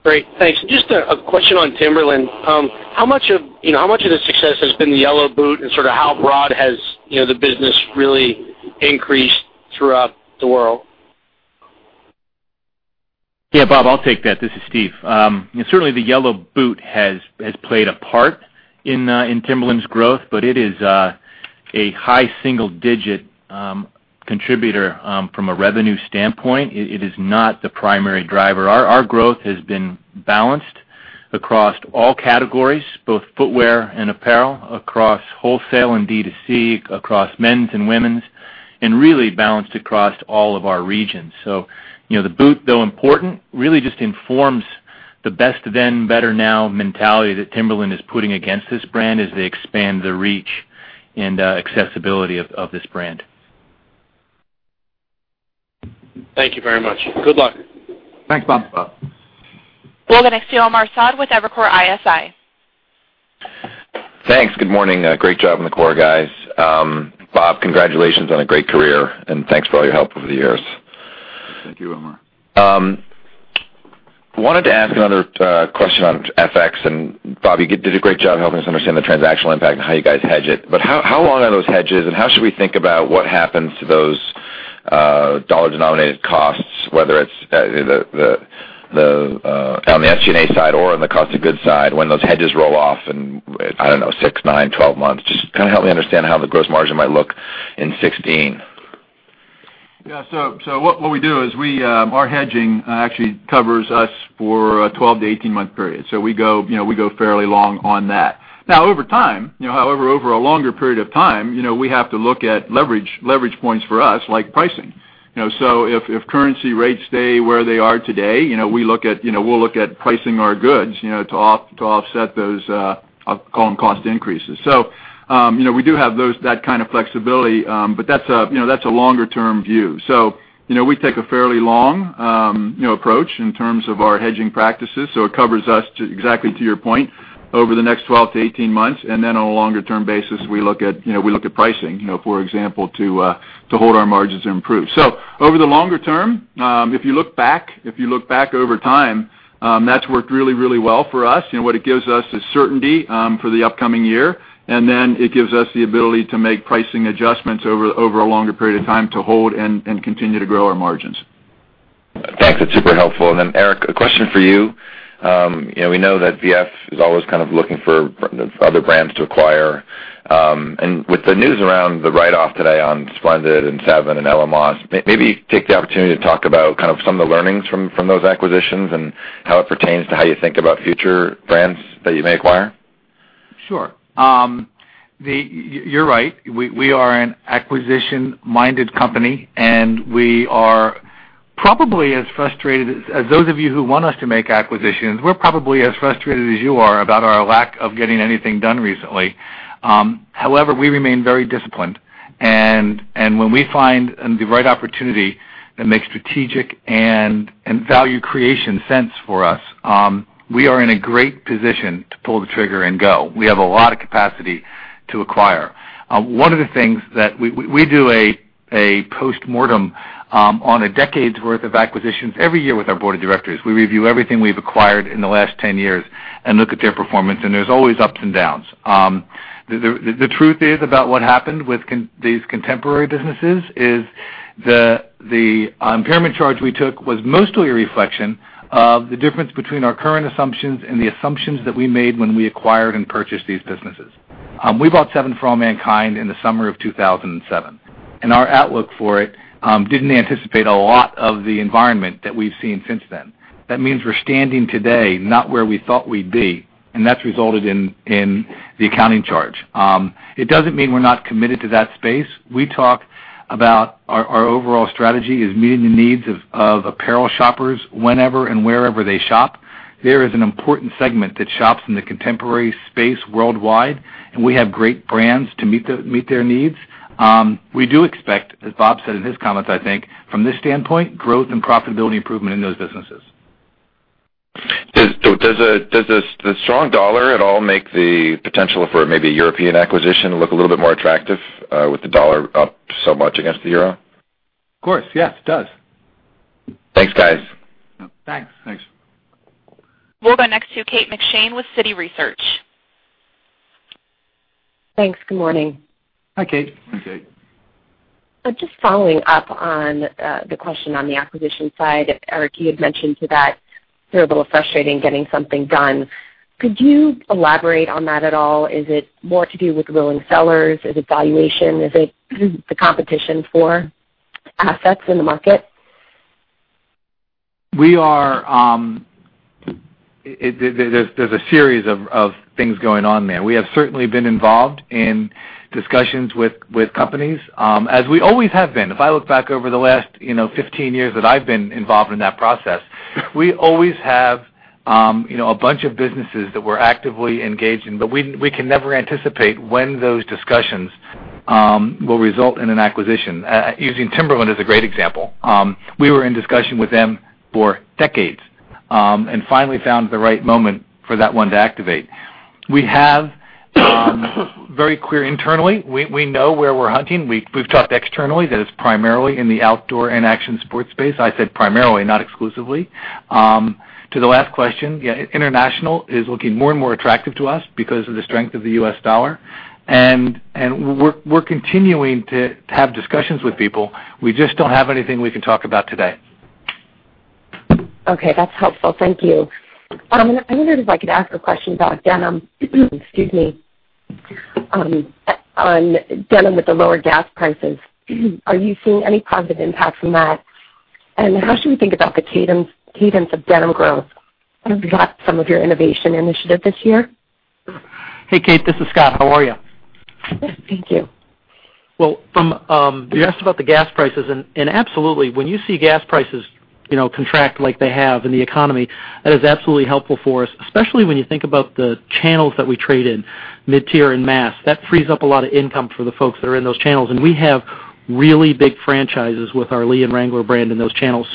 Great. Thanks. Just a question on Timberland. How much of the success has been the yellow boot and sort of how broad has the business really increased throughout the world? Yeah, Bob, I'll take that. This is Steve. Certainly the yellow boot has played a part in Timberland's growth, but it is a high single-digit contributor from a revenue standpoint. It is not the primary driver. Our growth has been balanced across all categories, both footwear and apparel, across wholesale and D2C, across men's and women's, really balanced across all of our regions. The boot, though important, really just informs the best then, better now mentality that Timberland is putting against this brand as they expand the reach and accessibility of this brand. Thank you very much. Good luck. Thanks, Bob. Thanks, Bob. We'll go next to Omar Saad with Evercore ISI. Thanks. Good morning. Great job on the core, guys. Bob, congratulations on a great career, and thanks for all your help over the years. Thank you, Omar. Wanted to ask another question on FX. Bob, you did a great job helping us understand the transactional impact and how you guys hedge it. How long are those hedges, and how should we think about what happens to those dollar-denominated costs, whether it's on the SG&A side or on the cost of goods side, when those hedges roll off in, I don't know, 6, 9, 12 months? Just kind of help me understand how the gross margin might look in 2016. Yeah. What we do is our hedging actually covers us for a 12 to 18-month period. We go fairly long on that. Over time, however, over a longer period of time, we have to look at leverage points for us, like pricing. If currency rates stay where they are today, we'll look at pricing our goods to offset those, I'll call them cost increases. We do have that kind of flexibility, but that's a longer-term view. We take a fairly long approach in terms of our hedging practices. It covers us to, exactly to your point. Over the next 12 to 18 months, then on a longer-term basis, we look at pricing, for example, to hold our margins and improve. Over the longer term, if you look back over time, that's worked really well for us. What it gives us is certainty for the upcoming year, and then it gives us the ability to make pricing adjustments over a longer period of time to hold and continue to grow our margins. Thanks. That's super helpful. Then, Eric, a question for you. We know that V.F. is always looking for other brands to acquire. With the news around the write-off today on Splendid and 7 For All Mankind and Ella Moss, maybe take the opportunity to talk about some of the learnings from those acquisitions and how it pertains to how you think about future brands that you may acquire. Sure. You're right. We are an acquisition-minded company. We are probably as frustrated as those of you who want us to make acquisitions. We're probably as frustrated as you are about our lack of getting anything done recently. However, we remain very disciplined. When we find the right opportunity that makes strategic and value creation sense for us, we are in a great position to pull the trigger and go. We have a lot of capacity to acquire. One of the things that we do a postmortem on a decade's worth of acquisitions every year with our board of directors. We review everything we've acquired in the last 10 years and look at their performance. There's always ups and downs. The truth is about what happened with these contemporary businesses is the impairment charge we took was mostly a reflection of the difference between our current assumptions and the assumptions that we made when we acquired and purchased these businesses. We bought 7 For All Mankind in the summer of 2007. Our outlook for it didn't anticipate a lot of the environment that we've seen since then. That means we're standing today not where we thought we'd be. That's resulted in the accounting charge. It doesn't mean we're not committed to that space. We talk about our overall strategy is meeting the needs of apparel shoppers whenever and wherever they shop. There is an important segment that shops in the contemporary space worldwide. We have great brands to meet their needs. We do expect, as Bob said in his comments, I think, from this standpoint, growth and profitability improvement in those businesses. Does the strong dollar at all make the potential for maybe a European acquisition look a little bit more attractive with the dollar up so much against the euro? Of course. Yes, it does. Thanks, guys. Thanks. Thanks. We'll go next to Kate McShane with Citi Research. Thanks. Good morning. Hi, Kate. Hi, Kate. Just following up on the question on the acquisition side. Eric, you had mentioned that you're a little frustrated in getting something done. Could you elaborate on that at all? Is it more to do with willing sellers? Is it valuation? Is it the competition for assets in the market? There's a series of things going on there. We have certainly been involved in discussions with companies, as we always have been. If I look back over the last 15 years that I've been involved in that process, we always have a bunch of businesses that we're actively engaged in. We can never anticipate when those discussions will result in an acquisition. Using Timberland as a great example. We were in discussion with them for decades and finally found the right moment for that one to activate. We have very clear internally. We know where we're hunting. We've talked externally that it's primarily in the outdoor and action sports space. I said primarily, not exclusively. To the last question, international is looking more and more attractive to us because of the strength of the U.S. dollar. We're continuing to have discussions with people. We just don't have anything we can talk about today. Okay, that's helpful. Thank you. I wondered if I could ask a question about denim. Excuse me. On denim with the lower gas prices. Are you seeing any positive impact from that? How should we think about the cadence of denim growth without some of your innovation initiative this year? Hey, Kate, this is Scott. How are you? Good, thank you. You asked about the gas prices, absolutely, when you see gas prices contract like they have in the economy, that is absolutely helpful for us, especially when you think about the channels that we trade in, mid-tier and mass. That frees up a lot of income for the folks that are in those channels. We have really big franchises with our Lee and Wrangler brand in those channels.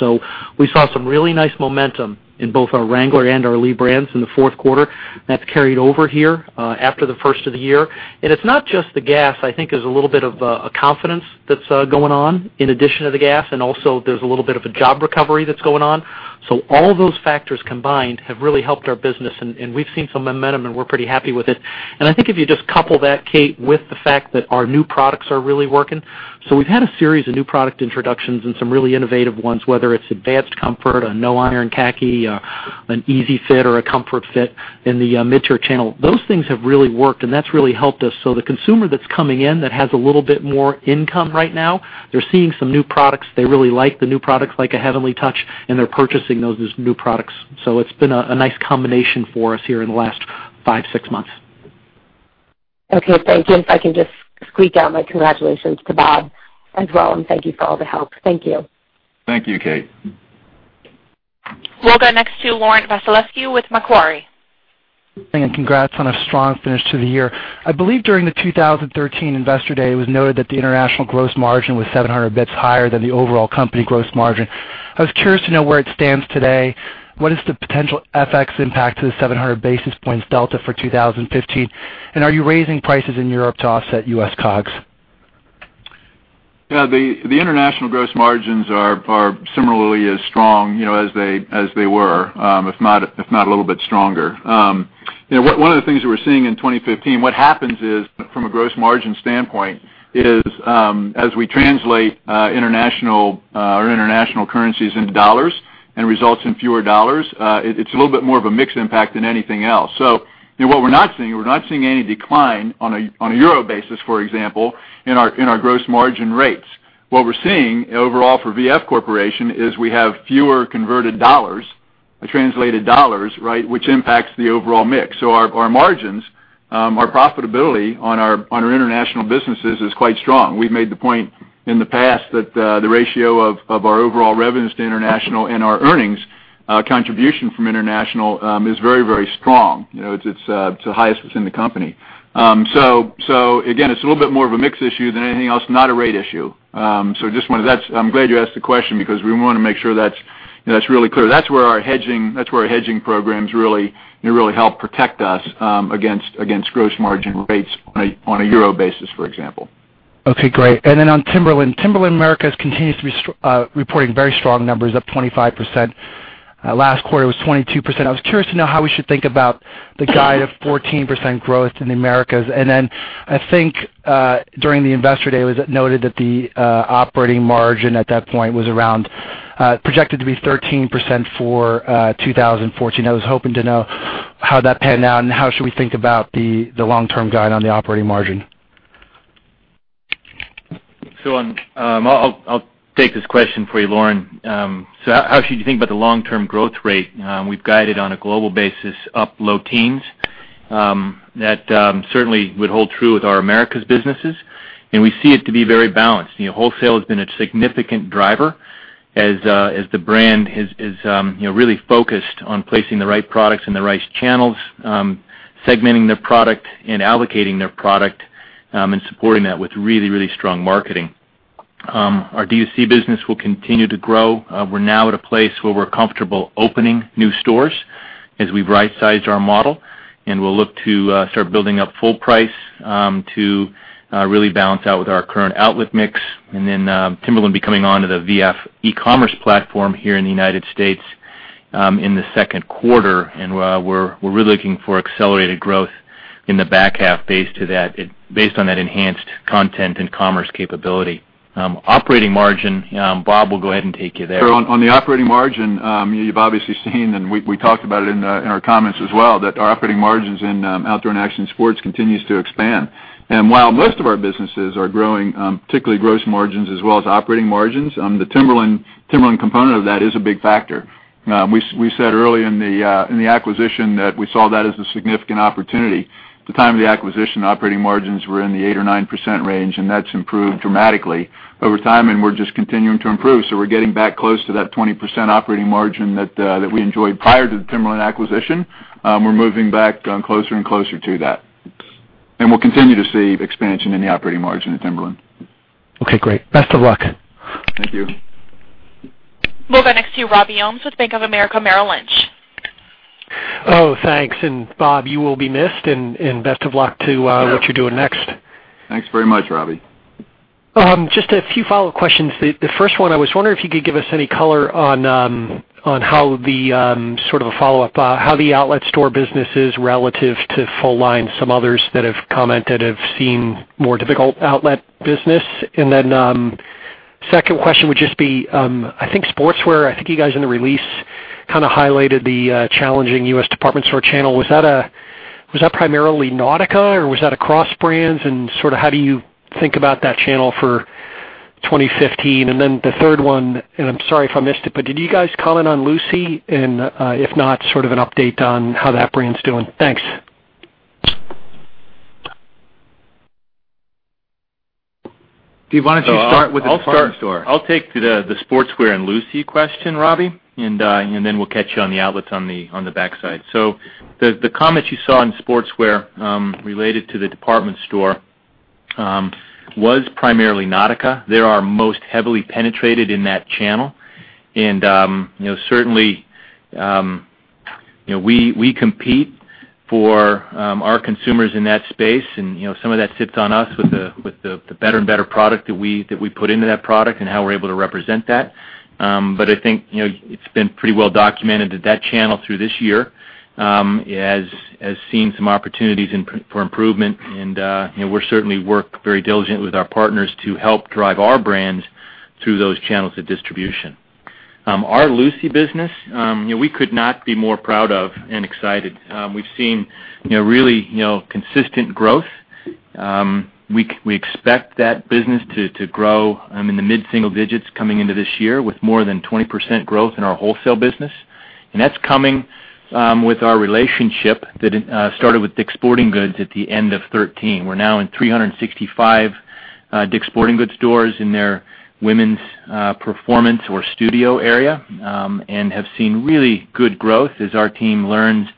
We saw some really nice momentum in both our Wrangler and our Lee brands in the fourth quarter. That's carried over here after the first of the year. It's not just the gas. I think there's a little bit of a confidence that's going on in addition to the gas, also there's a little bit of a job recovery that's going on. All those factors combined have really helped our business, we've seen some momentum, and we're pretty happy with it. I think if you just couple that, Kate, with the fact that our new products are really working. We've had a series of new product introductions and some really innovative ones, whether it's Advanced Comfort, a No Iron khaki, an easy fit or a comfort fit in the mid-tier channel. Those things have really worked, and that's really helped us. The consumer that's coming in that has a little bit more income right now, they're seeing some new products. They really like the new products like a Heavenly Touch, and they're purchasing those as new products. It's been a nice combination for us here in the last five, six months. Thank you. If I can just squeak out my congratulations to Bob as well, thank you for all the help. Thank you. Thank you, Kate. We'll go next to Laurent Vasilescu with Macquarie. Congrats on a strong finish to the year. I believe during the 2013 Investor Day, it was noted that the international gross margin was 700 basis points higher than the overall company gross margin. I was curious to know where it stands today. What is the potential FX impact to the 700 basis points delta for 2015? Are you raising prices in Europe to offset U.S. COGS? Yeah. The international gross margins are similarly as strong as they were, if not a little bit stronger. One of the things that we're seeing in 2015, what happens is, from a gross margin standpoint, is as we translate international currencies into dollars and results in fewer dollars, it's a little bit more of a mix impact than anything else. What we're not seeing, we're not seeing any decline on a EUR basis, for example, in our gross margin rates. What we're seeing overall for V.F. Corporation is we have fewer converted dollars, the translated dollars, which impacts the overall mix. Our margins, our profitability on our international businesses is quite strong. We've made the point in the past that the ratio of our overall revenues to international and our earnings contribution from international, is very strong. It's the highest within the company. Again, it's a little bit more of a mix issue than anything else, not a rate issue. I'm glad you asked the question because we want to make sure that's really clear. That's where our hedging programs really help protect us, against gross margin rates on a EUR basis, for example. Okay, great. On Timberland. Timberland Americas continues to be reporting very strong numbers, up 25%. Last quarter was 22%. I was curious to know how we should think about the guide of 14% growth in the Americas. I think, during the investor day, it was noted that the operating margin at that point was around, projected to be 13% for 2014. I was hoping to know how that panned out and how should we think about the long-term guide on the operating margin. I'll take this question for you, Laurent. How should you think about the long-term growth rate? We've guided on a global basis up low teens. That certainly would hold true with our Americas businesses, and we see it to be very balanced. Wholesale has been a significant driver as the brand is really focused on placing the right products in the right channels, segmenting their product and allocating their product, and supporting that with really strong marketing. Our D2C business will continue to grow. We're now at a place where we're comfortable opening new stores as we've right-sized our model, and we'll look to start building up full price to really balance out with our current outlet mix. Timberland will be coming onto the VF e-commerce platform here in the U.S., in the second quarter. We're really looking for accelerated growth in the back half based on that enhanced content and commerce capability. Operating margin, Bob will go ahead and take you there. On the operating margin, you've obviously seen, and we talked about it in our comments as well, that our operating margins in Outdoor & Action Sports continues to expand. While most of our businesses are growing, particularly gross margins as well as operating margins, the Timberland component of that is a big factor. We said early in the acquisition that we saw that as a significant opportunity. At the time of the acquisition, operating margins were in the 8% or 9% range, and that's improved dramatically over time, and we're just continuing to improve. We're getting back close to that 20% operating margin that we enjoyed prior to the Timberland acquisition. We're moving back closer and closer to that. We'll continue to see expansion in the operating margin at Timberland. Okay, great. Best of luck. Thank you. We'll go next to Robert Ohmes with Bank of America Merrill Lynch. Oh, thanks. Bob, you will be missed, and best of luck to what you're doing next. Thanks very much, Robbie. Just a few follow-up questions. The first one, I was wondering if you could give us any color on how the outlet store business is relative to full line. Some others that have commented have seen more difficult outlet business. Second question would just be, I think sportswear, I think you guys in the release kind of highlighted the challenging U.S. department store channel. Was that primarily Nautica, or was that across brands? How do you think about that channel for 2015? The third one, I'm sorry if I missed it, but did you guys comment on Lucy? If not, sort of an update on how that brand's doing. Thanks. Steve, why don't you start with the department store? I'll take the sportswear and Lucy question, Robbie. We'll catch you on the outlets on the back side. The comments you saw in sportswear, related to the department store, was primarily Nautica. They are most heavily penetrated in that channel. Certainly, we compete for our consumers in that space, and some of that sits on us with the better product that we put into that product and how we're able to represent that. I think it's been pretty well documented that channel through this year, has seen some opportunities for improvement, and we certainly work very diligently with our partners to help drive our brands through those channels of distribution. Our Lucy business, we could not be more proud of and excited. We've seen really consistent growth. We expect that business to grow, in the mid-single digits coming into this year with more than 20% growth in our wholesale business. That's coming with our relationship that started with Dick's Sporting Goods at the end of 2013. We're now in 365 Dick's Sporting Goods stores in their women's performance or studio area, and have seen really good growth as our team learns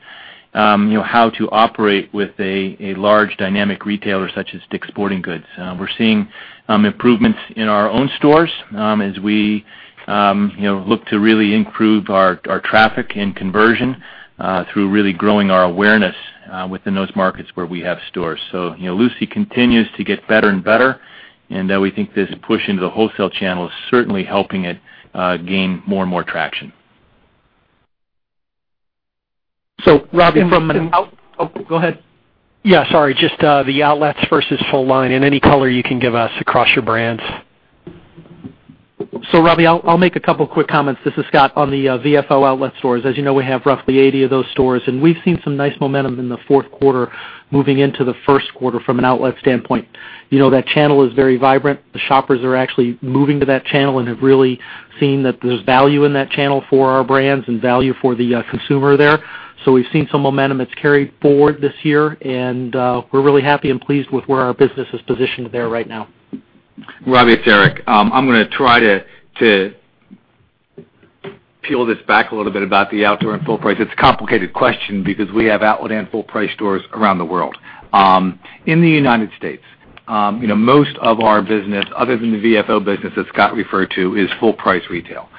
how to operate with a large dynamic retailer such as Dick's Sporting Goods. We're seeing improvements in our own stores as we look to really improve our traffic and conversion through really growing our awareness within those markets where we have stores. Lucy continues to get better and better, and we think this push into the wholesale channel is certainly helping it gain more and more traction. Robbie, from Oh, go ahead. Yeah, sorry. Just the outlets versus full line, any color you can give us across your brands. Robbie, I'll make a couple quick comments. This is Scott on the VF Outlet stores. As you know, we have roughly 80 of those stores, and we've seen some nice momentum in the fourth quarter moving into the first quarter from an outlet standpoint. That channel is very vibrant. The shoppers are actually moving to that channel and have really seen that there's value in that channel for our brands and value for the consumer there. We've seen some momentum that's carried forward this year, and we're really happy and pleased with where our business is positioned there right now. Robbie, it's Eric. I'm going to try to peel this back a little bit about the outdoor and full price. It's a complicated question because we have outlet and full price stores around the world. In the U.S., most of our business, other than the VF Outlet business that Scott referred to, is full price retail.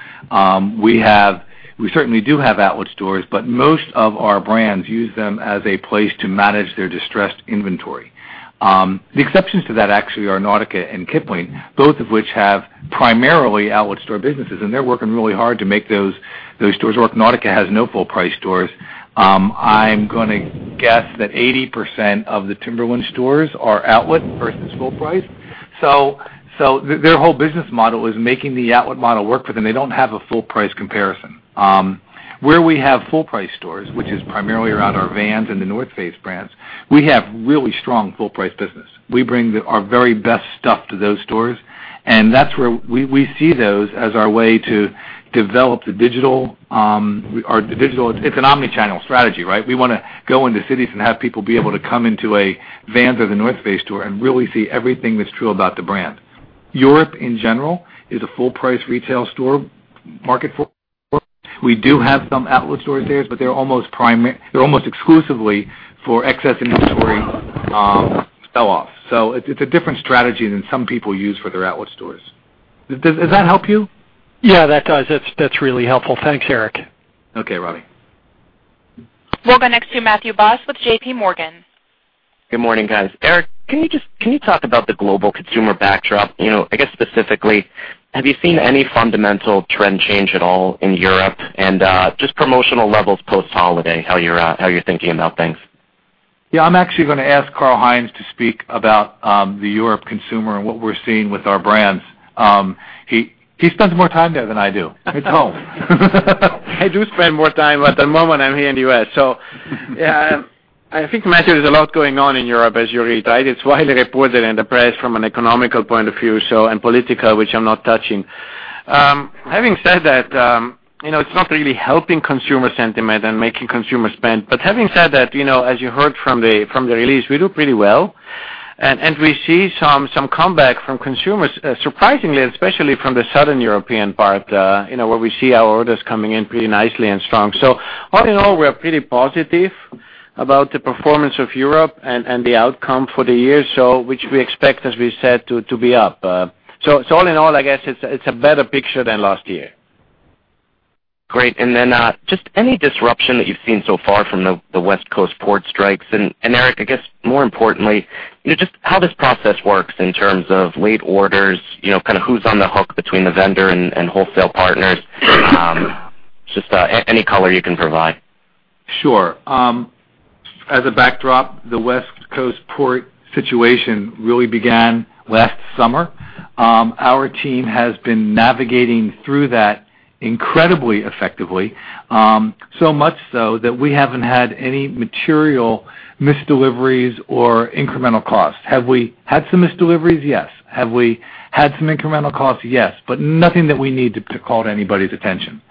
We certainly do have outlet stores, but most of our brands use them as a place to manage their distressed inventory. The exceptions to that actually are Nautica and Kipling, both of which have primarily outlet store businesses, and they're working really hard to make those stores work. Nautica has no full price stores. I'm going to guess that 80% of the Timberland stores are outlet versus full price. Their whole business model is making the outlet model work for them. They don't have a full price comparison. Where we have full price stores, which is primarily around our Vans and The North Face brands, we have really strong full price business. We bring our very best stuff to those stores, and we see those as our way to develop the digital. It's an omni-channel strategy, right? We want to go into cities and have people be able to come into a Vans or The North Face store and really see everything that's true about the brand. Europe, in general, is a full price retail store market for. We do have some outlet stores there, but they're almost exclusively for excess inventory sell-off. It's a different strategy than some people use for their outlet stores. Does that help you? Yeah, that does. That's really helpful. Thanks, Eric. Okay, Robbie. We'll go next to Matthew Boss with JPMorgan. Good morning, guys. Eric, can you talk about the global consumer backdrop? I guess specifically, have you seen any fundamental trend change at all in Europe and just promotional levels post-holiday, how you're thinking about things? Yeah, I'm actually going to ask Karl-Heinz to speak about the Europe consumer and what we're seeing with our brands. He spends more time there than I do. It's home. I do spend more time. At the moment, I'm here in the U.S. Yeah, I think, Matthew, there's a lot going on in Europe as you're right. It's widely reported in the press from an economical point of view and political, which I'm not touching. Having said that, it's not really helping consumer sentiment and making consumer spend. Having said that, as you heard from the release, we do pretty well, and we see some comeback from consumers, surprisingly, especially from the Southern European part, where we see our orders coming in pretty nicely and strong. All in all, we are pretty positive about the performance of Europe and the outcome for the year, which we expect, as we said, to be up. All in all, I guess it's a better picture than last year. Great. Then just any disruption that you've seen so far from the West Coast port strikes. Eric, I guess more importantly, just how this process works in terms of late orders, kind of who's on the hook between the vendor and wholesale partners. Just any color you can provide. Sure. As a backdrop, the West Coast port situation really began last summer. Our team has been navigating through that incredibly effectively, so much so that we haven't had any material misdeliveries or incremental costs. Have we had some misdeliveries? Yes. Have we had some incremental costs? Yes. Nothing that we need to call to anybody's attention.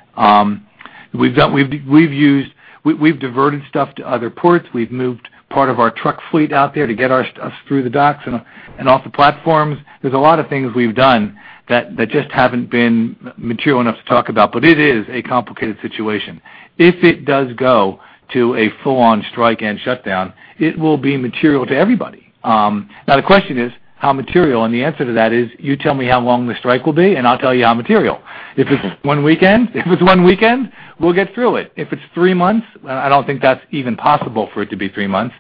We've diverted stuff to other ports. We've moved part of our truck fleet out there to get our stuff through the docks and off the platforms. There's a lot of things we've done that just haven't been material enough to talk about, but it is a complicated situation. If it does go to a full-on strike and shutdown, it will be material to everybody. Now the question is, how material? The answer to that is, you tell me how long the strike will be, and I'll tell you how material. If it's one weekend, we'll get through it. If it's three months, I don't think that's even possible for it to be three months.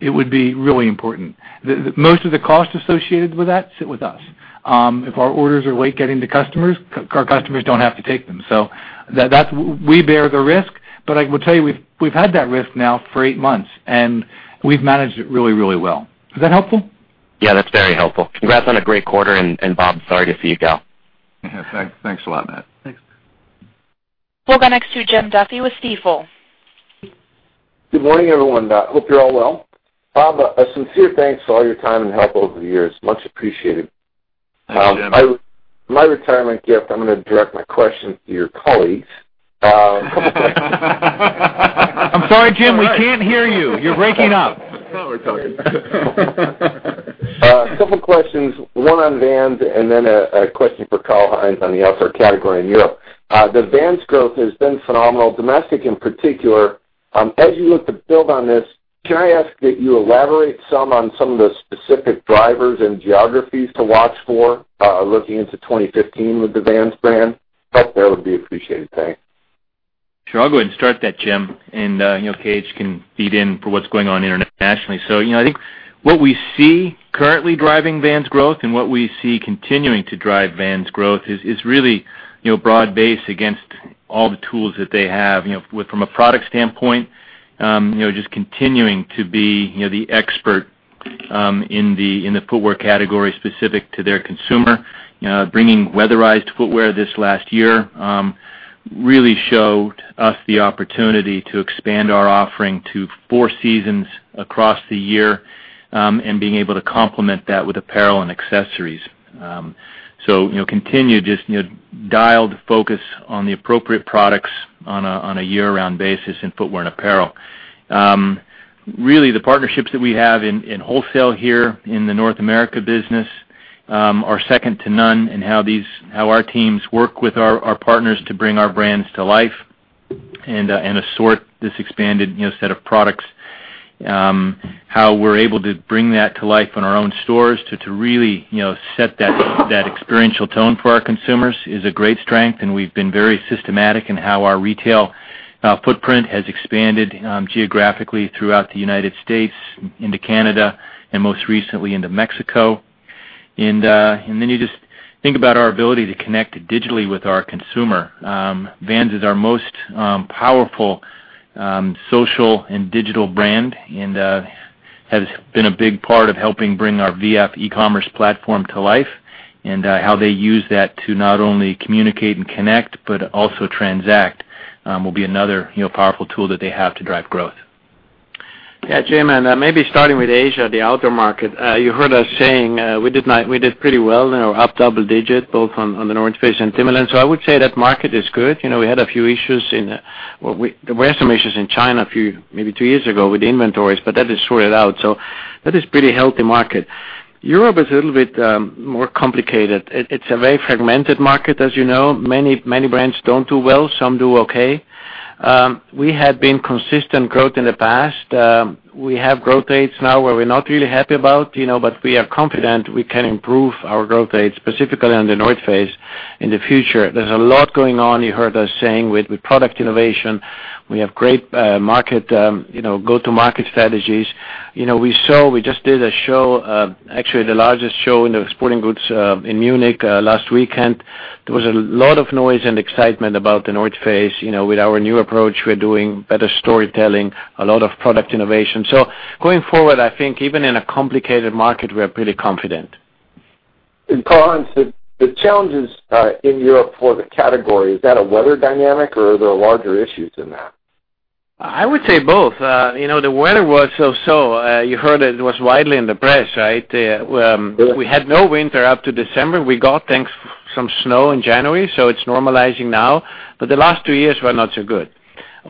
It would be really important. Most of the costs associated with that sit with us. If our orders are late getting to customers, our customers don't have to take them. We bear the risk. I will tell you, we've had that risk now for eight months, and we've managed it really, really well. Is that helpful? Yeah, that's very helpful. Congrats on a great quarter, and Bob, sorry to see you go. Thanks a lot, Matt. Thanks. We'll go next to Jim Duffy with Stifel. Good morning, everyone. Hope you're all well. Bob, a sincere thanks for all your time and help over the years. Much appreciated. Thanks, Jim. My retirement gift, I'm going to direct my question to your colleagues. A couple things. I'm sorry, Jim, we can't hear you. You're breaking up. Now we're talking. A couple questions, one on Vans and then a question for Karl-Heinz on the outdoor category in Europe. The Vans growth has been phenomenal, domestic in particular. As you look to build on this, can I ask that you elaborate some on some of the specific drivers and geographies to watch for, looking into 2015 with the Vans brand? That would be appreciated. Thanks. Sure. I'll go ahead and start that, Jim, and KH can feed in for what's going on internationally. I think what we see currently driving Vans growth and what we see continuing to drive Vans growth is really broad-based against all the tools that they have. From a product standpoint, just continuing to be the expert in the footwear category specific to their consumer. Bringing weatherized footwear this last year really showed us the opportunity to expand our offering to four seasons across the year, and being able to complement that with apparel and accessories. Continue just dialed focus on the appropriate products on a year-round basis in footwear and apparel. Really, the partnerships that we have in wholesale here in the North America business are second to none in how our teams work with our partners to bring our brands to life and assort this expanded set of products. How we're able to bring that to life in our own stores to really set that experiential tone for our consumers is a great strength, and we've been very systematic in how our retail footprint has expanded geographically throughout the United States, into Canada, and most recently into Mexico. Then you just think about our ability to connect digitally with our consumer. Vans is our most powerful social and digital brand, and has been a big part of helping bring our V.F. e-commerce platform to life, How they use that to not only communicate and connect, but also transact will be another powerful tool that they have to drive growth. Yeah, Jim, maybe starting with Asia, the outdoor market. You heard us saying, we did pretty well, up double-digit, both on The North Face and Timberland. I would say that market is good. We had a few issues. There were some issues in China a few, maybe two years ago, with inventories, but that is sorted out. That is pretty healthy market. Europe is a little bit more complicated. It's a very fragmented market, as you know. Many brands don't do well. Some do okay. We had been consistent growth in the past. We have growth rates now where we're not really happy about, but we are confident we can improve our growth rate, specifically on The North Face in the future. There's a lot going on, you heard us saying, with product innovation. We have great go-to-market strategies. We just did a show, actually the largest show in the sporting goods in Munich last weekend. There was a lot of noise and excitement about The North Face. With our new approach, we're doing better storytelling, a lot of product innovation. Going forward, I think even in a complicated market, we are pretty confident. Karl-Heinz, the challenges in Europe for the category, is that a weather dynamic or are there larger issues than that? I would say both. The weather was so-so. You heard it was widely in the press, right? We had no winter up to December. We got some snow in January, it's normalizing now, but the last two years were not so good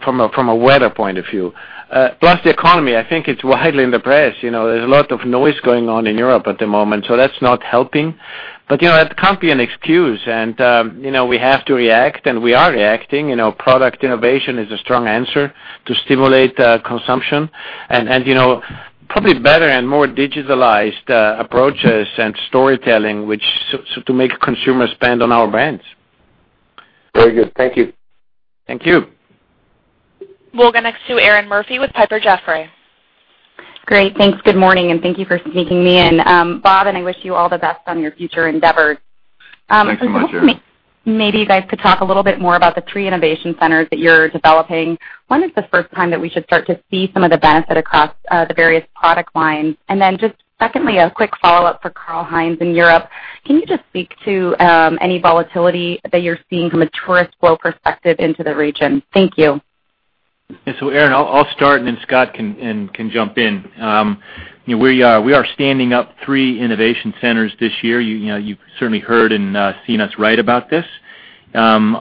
from a weather point of view. Plus the economy, I think it's widely in the press. There's a lot of noise going on in Europe at the moment, that's not helping. That can't be an excuse, we have to react, and we are reacting. Product innovation is a strong answer to stimulate consumption, probably better and more digitalized approaches and storytelling to make consumers spend on our brands. Very good. Thank you. Thank you. We'll go next to Erinn Murphy with Piper Jaffray. Great. Thanks. Good morning. Thank you for sneaking me in. Bob. I wish you all the best on your future endeavors. Thanks so much, Erinn. I was wondering if maybe you guys could talk a little bit more about the three innovation centers that you're developing. When is the first time that we should start to see some of the benefit across the various product lines? Secondly, a quick follow-up for Karl Heinz in Europe. Can you just speak to any volatility that you're seeing from a tourist flow perspective into the region? Thank you. Erinn, I'll start and then Scott can jump in. We are standing up three innovation centers this year. You've certainly heard and seen us write about this. From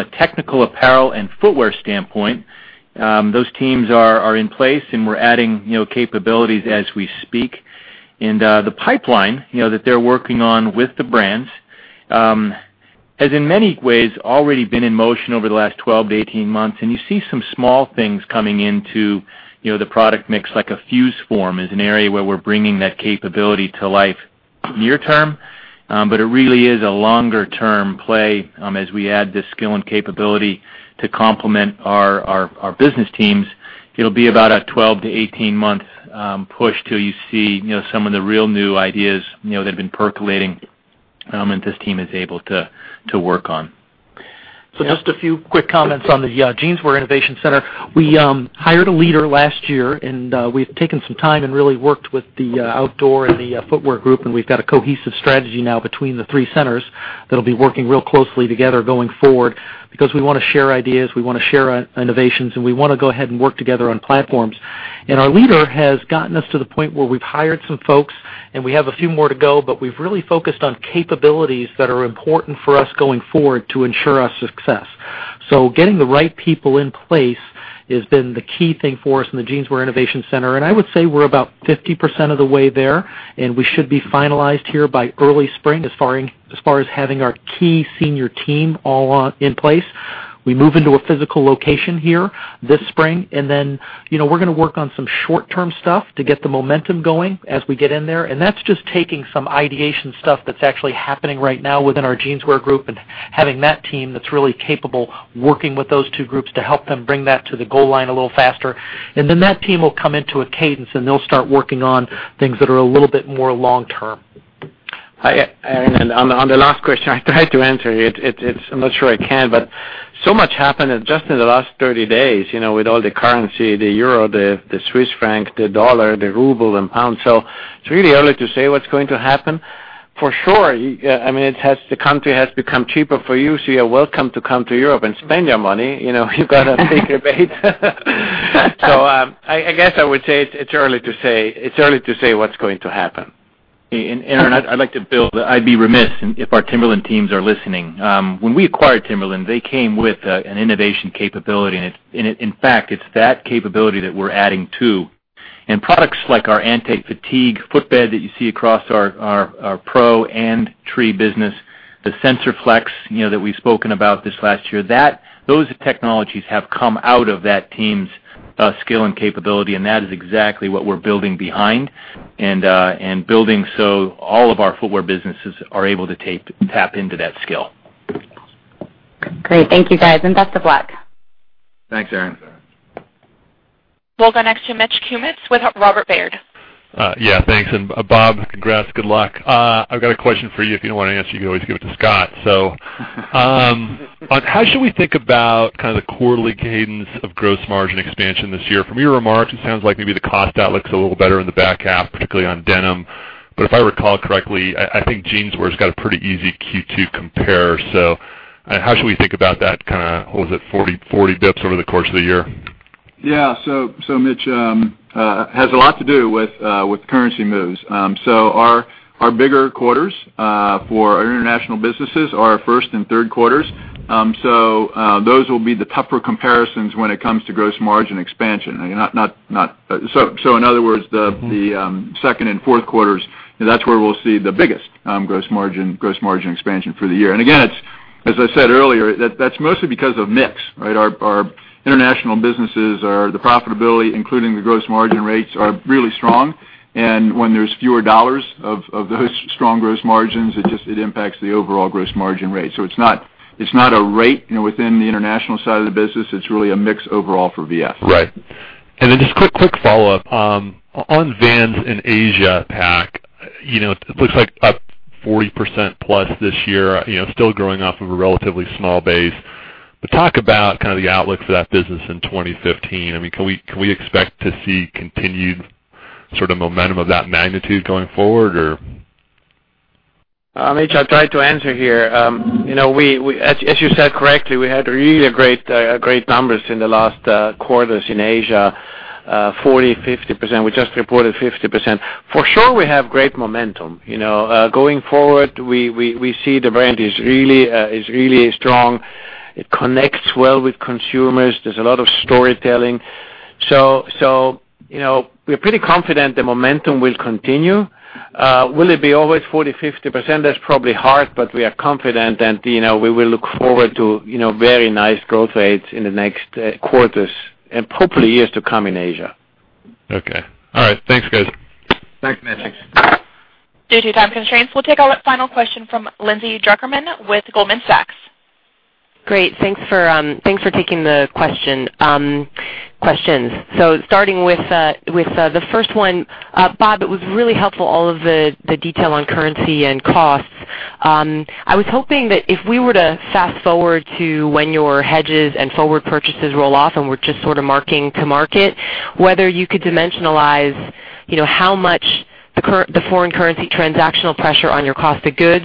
a technical apparel and footwear standpoint, those teams are in place and we're adding capabilities as we speak. The pipeline that they're working on with the brands, has in many ways already been in motion over the last 12-18 months, and you see some small things coming into the product mix, like a FuseForm is an area where we're bringing that capability to life near term. It really is a longer-term play as we add the skill and capability to complement our business teams. It'll be about a 12-18 month push till you see some of the real new ideas that have been percolating and this team is able to work on. Yeah. Just a few quick comments on the Jeanswear Innovation Center. We hired a leader last year, we've taken some time and really worked with the outdoor and the footwear group, we've got a cohesive strategy now between the three centers that'll be working real closely together going forward because we want to share ideas, we want to share innovations, and we want to go ahead and work together on platforms. Our leader has gotten us to the point where we've hired some folks, and we have a few more to go, but we've really focused on capabilities that are important for us going forward to ensure our success. Getting the right people in place has been the key thing for us in the Jeanswear Innovation Center. I would say we're about 50% of the way there, and we should be finalized here by early spring as far as having our key senior team all in place. We move into a physical location here this spring, and then, we're going to work on some short-term stuff to get the momentum going as we get in there. That's just taking some ideation stuff that's actually happening right now within our Jeanswear group and having that team that's really capable, working with those two groups to help them bring that to the goal line a little faster. Then that team will come into a cadence, and they'll start working on things that are a little bit more long-term. Erinn, on the last question, I tried to answer it. I'm not sure I can. So much happened just in the last 30 days, with all the currency, the euro, the Swiss franc, the U.S. dollar, the ruble, and the pound. It's really early to say what's going to happen. For sure, the country has become cheaper for you, so you are welcome to come to Europe and spend your money. You got a big rebate. I guess I would say it's early to say what's going to happen. Erinn, I'd like to build. I'd be remiss if our Timberland teams are listening. When we acquired Timberland, they came with an innovation capability. In fact, it's that capability that we're adding to. Products like our Anti-Fatigue footbed that you see across our PRO and tree business, the SensorFlex, that we've spoken about this last year. Those technologies have come out of that team's skill and capability, and that is exactly what we're building behind and building so all of our footwear businesses are able to tap into that skill. Great. Thank you, guys, and best of luck. Thanks, Erinn. We'll go next to Mitch Kummetz with Robert W. Baird. Yeah, thanks. Bob, congrats. Good luck. I've got a question for you. If you don't want to answer, you can always give it to Scott. How should we think about the quarterly cadence of gross margin expansion this year? From your remarks, it sounds like maybe the cost outlook's a little better in the back half, particularly on denim. If I recall correctly, I think Jeanswear's got a pretty easy Q2 compare. How should we think about that, what is it, 40 basis points over the course of the year? Yeah. Mitch, has a lot to do with currency moves. Our bigger quarters, for our international businesses, are our first and third quarters. Those will be the tougher comparisons when it comes to gross margin expansion. In other words, the second and fourth quarters, that's where we'll see the biggest gross margin expansion for the year. Again, as I said earlier, that's mostly because of mix. Our international businesses, the profitability, including the gross margin rates, are really strong. When there's fewer dollars of those strong gross margins, it impacts the overall gross margin rate. It's not a rate within the international side of the business. It's really a mix overall for V.F. Right. Then just quick follow-up. On Vans in Asia Pac, it looks like up 40%+ this year, still growing off of a relatively small base. Talk about the outlook for that business in 2015. Can we expect to see continued momentum of that magnitude going forward or? Mitch, I'll try to answer here. As you said correctly, we had really great numbers in the last quarters in Asia, 40%-50%. We just reported 50%. For sure, we have great momentum. Going forward, we see the brand is really strong. It connects well with consumers. There's a lot of storytelling. We're pretty confident the momentum will continue. Will it be always 40%-50%? That's probably hard, we are confident, we will look forward to very nice growth rates in the next quarters and hopefully years to come in Asia. Okay. All right. Thanks, guys. Thanks, Mitch. Due to time constraints, we'll take our final question from Lindsay Drucker Mann with Goldman Sachs. Great, thanks for taking the questions. Starting with the first one. Bob, it was really helpful, all of the detail on currency and costs. I was hoping that if we were to fast-forward to when your hedges and forward purchases roll off, and we're just sort of marking to market, whether you could dimensionalize how much the foreign currency transactional pressure on your cost of goods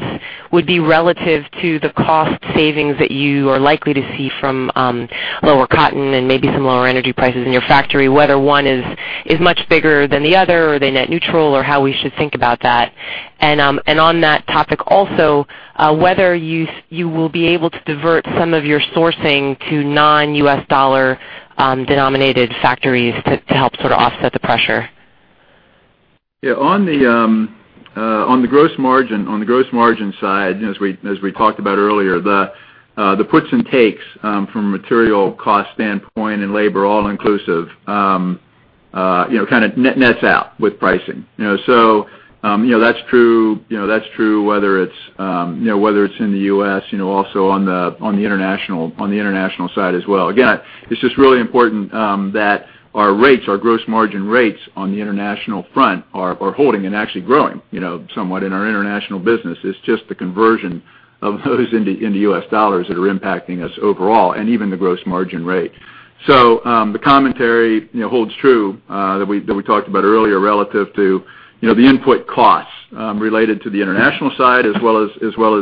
would be relative to the cost savings that you are likely to see from lower cotton and maybe some lower energy prices in your factory, whether one is much bigger than the other or they net neutral or how we should think about that. On that topic also, whether you will be able to divert some of your sourcing to non-U.S. dollar denominated factories to help sort of offset the pressure. Yeah, on the gross margin side, as we talked about earlier, the puts and takes from a material cost standpoint and labor all inclusive, kind of nets out with pricing. That's true whether it's in the U.S., also on the international side as well. Again, it's just really important that our rates, our gross margin rates on the international front are holding and actually growing somewhat in our international business. It's just the conversion of those into U.S. dollars that are impacting us overall and even the gross margin rate. The commentary holds true, that we talked about earlier relative to the input costs related to the international side as well as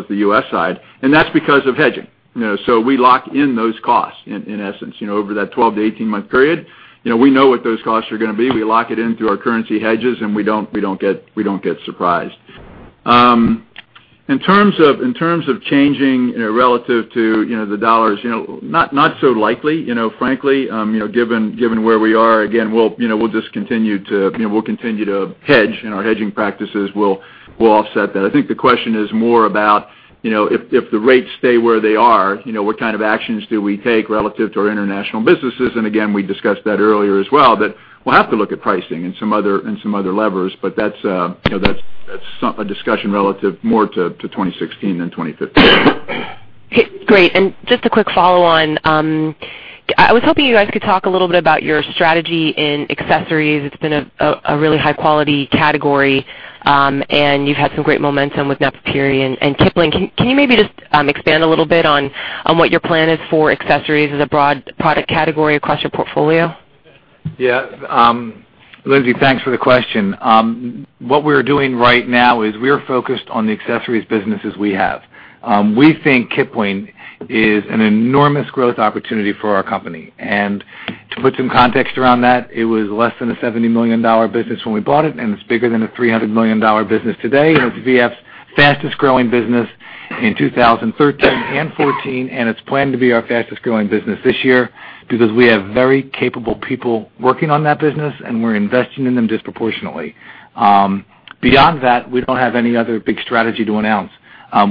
the U.S. side. That's because of hedging. We lock in those costs, in essence, over that 12 to 18-month period. We know what those costs are going to be. We lock it in through our currency hedges, we don't get surprised. In terms of changing relative to the $, not so likely, frankly, given where we are, again, we'll just continue to hedge and our hedging practices will offset that. I think the question is more about, if the rates stay where they are, what kind of actions do we take relative to our international businesses? Again, we discussed that earlier as well, that we'll have to look at pricing and some other levers, but that's a discussion relative more to 2016 than 2015. Great. Just a quick follow on. I was hoping you guys could talk a little bit about your strategy in accessories. It's been a really high-quality category, you've had some great momentum with Napapijri and Kipling. Can you maybe just expand a little bit on what your plan is for accessories as a broad product category across your portfolio? Yeah. Lindsay, thanks for the question. What we're doing right now is we are focused on the accessories businesses we have. We think Kipling is an enormous growth opportunity for our company. To put some context around that, it was less than a $70 million business when we bought it's bigger than a $300 million business today, it's V.F.'s fastest-growing business in 2013 and 2014, it's planned to be our fastest-growing business this year because we have very capable people working on that business, we're investing in them disproportionately. Beyond that, we don't have any other big strategy to announce.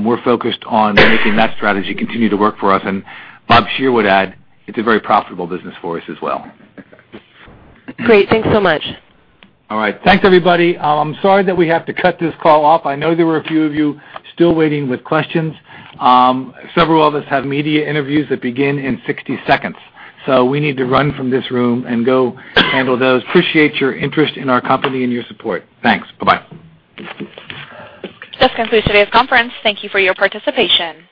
We're focused on making that strategy continue to work for us, Bob Shearer would add, it's a very profitable business for us as well. Great. Thanks so much. All right. Thanks, everybody. I'm sorry that we have to cut this call off. I know there were a few of you still waiting with questions. Several of us have media interviews that begin in 60 seconds. We need to run from this room and go handle those. Appreciate your interest in our company and your support. Thanks. Bye-bye. This concludes today's conference. Thank you for your participation.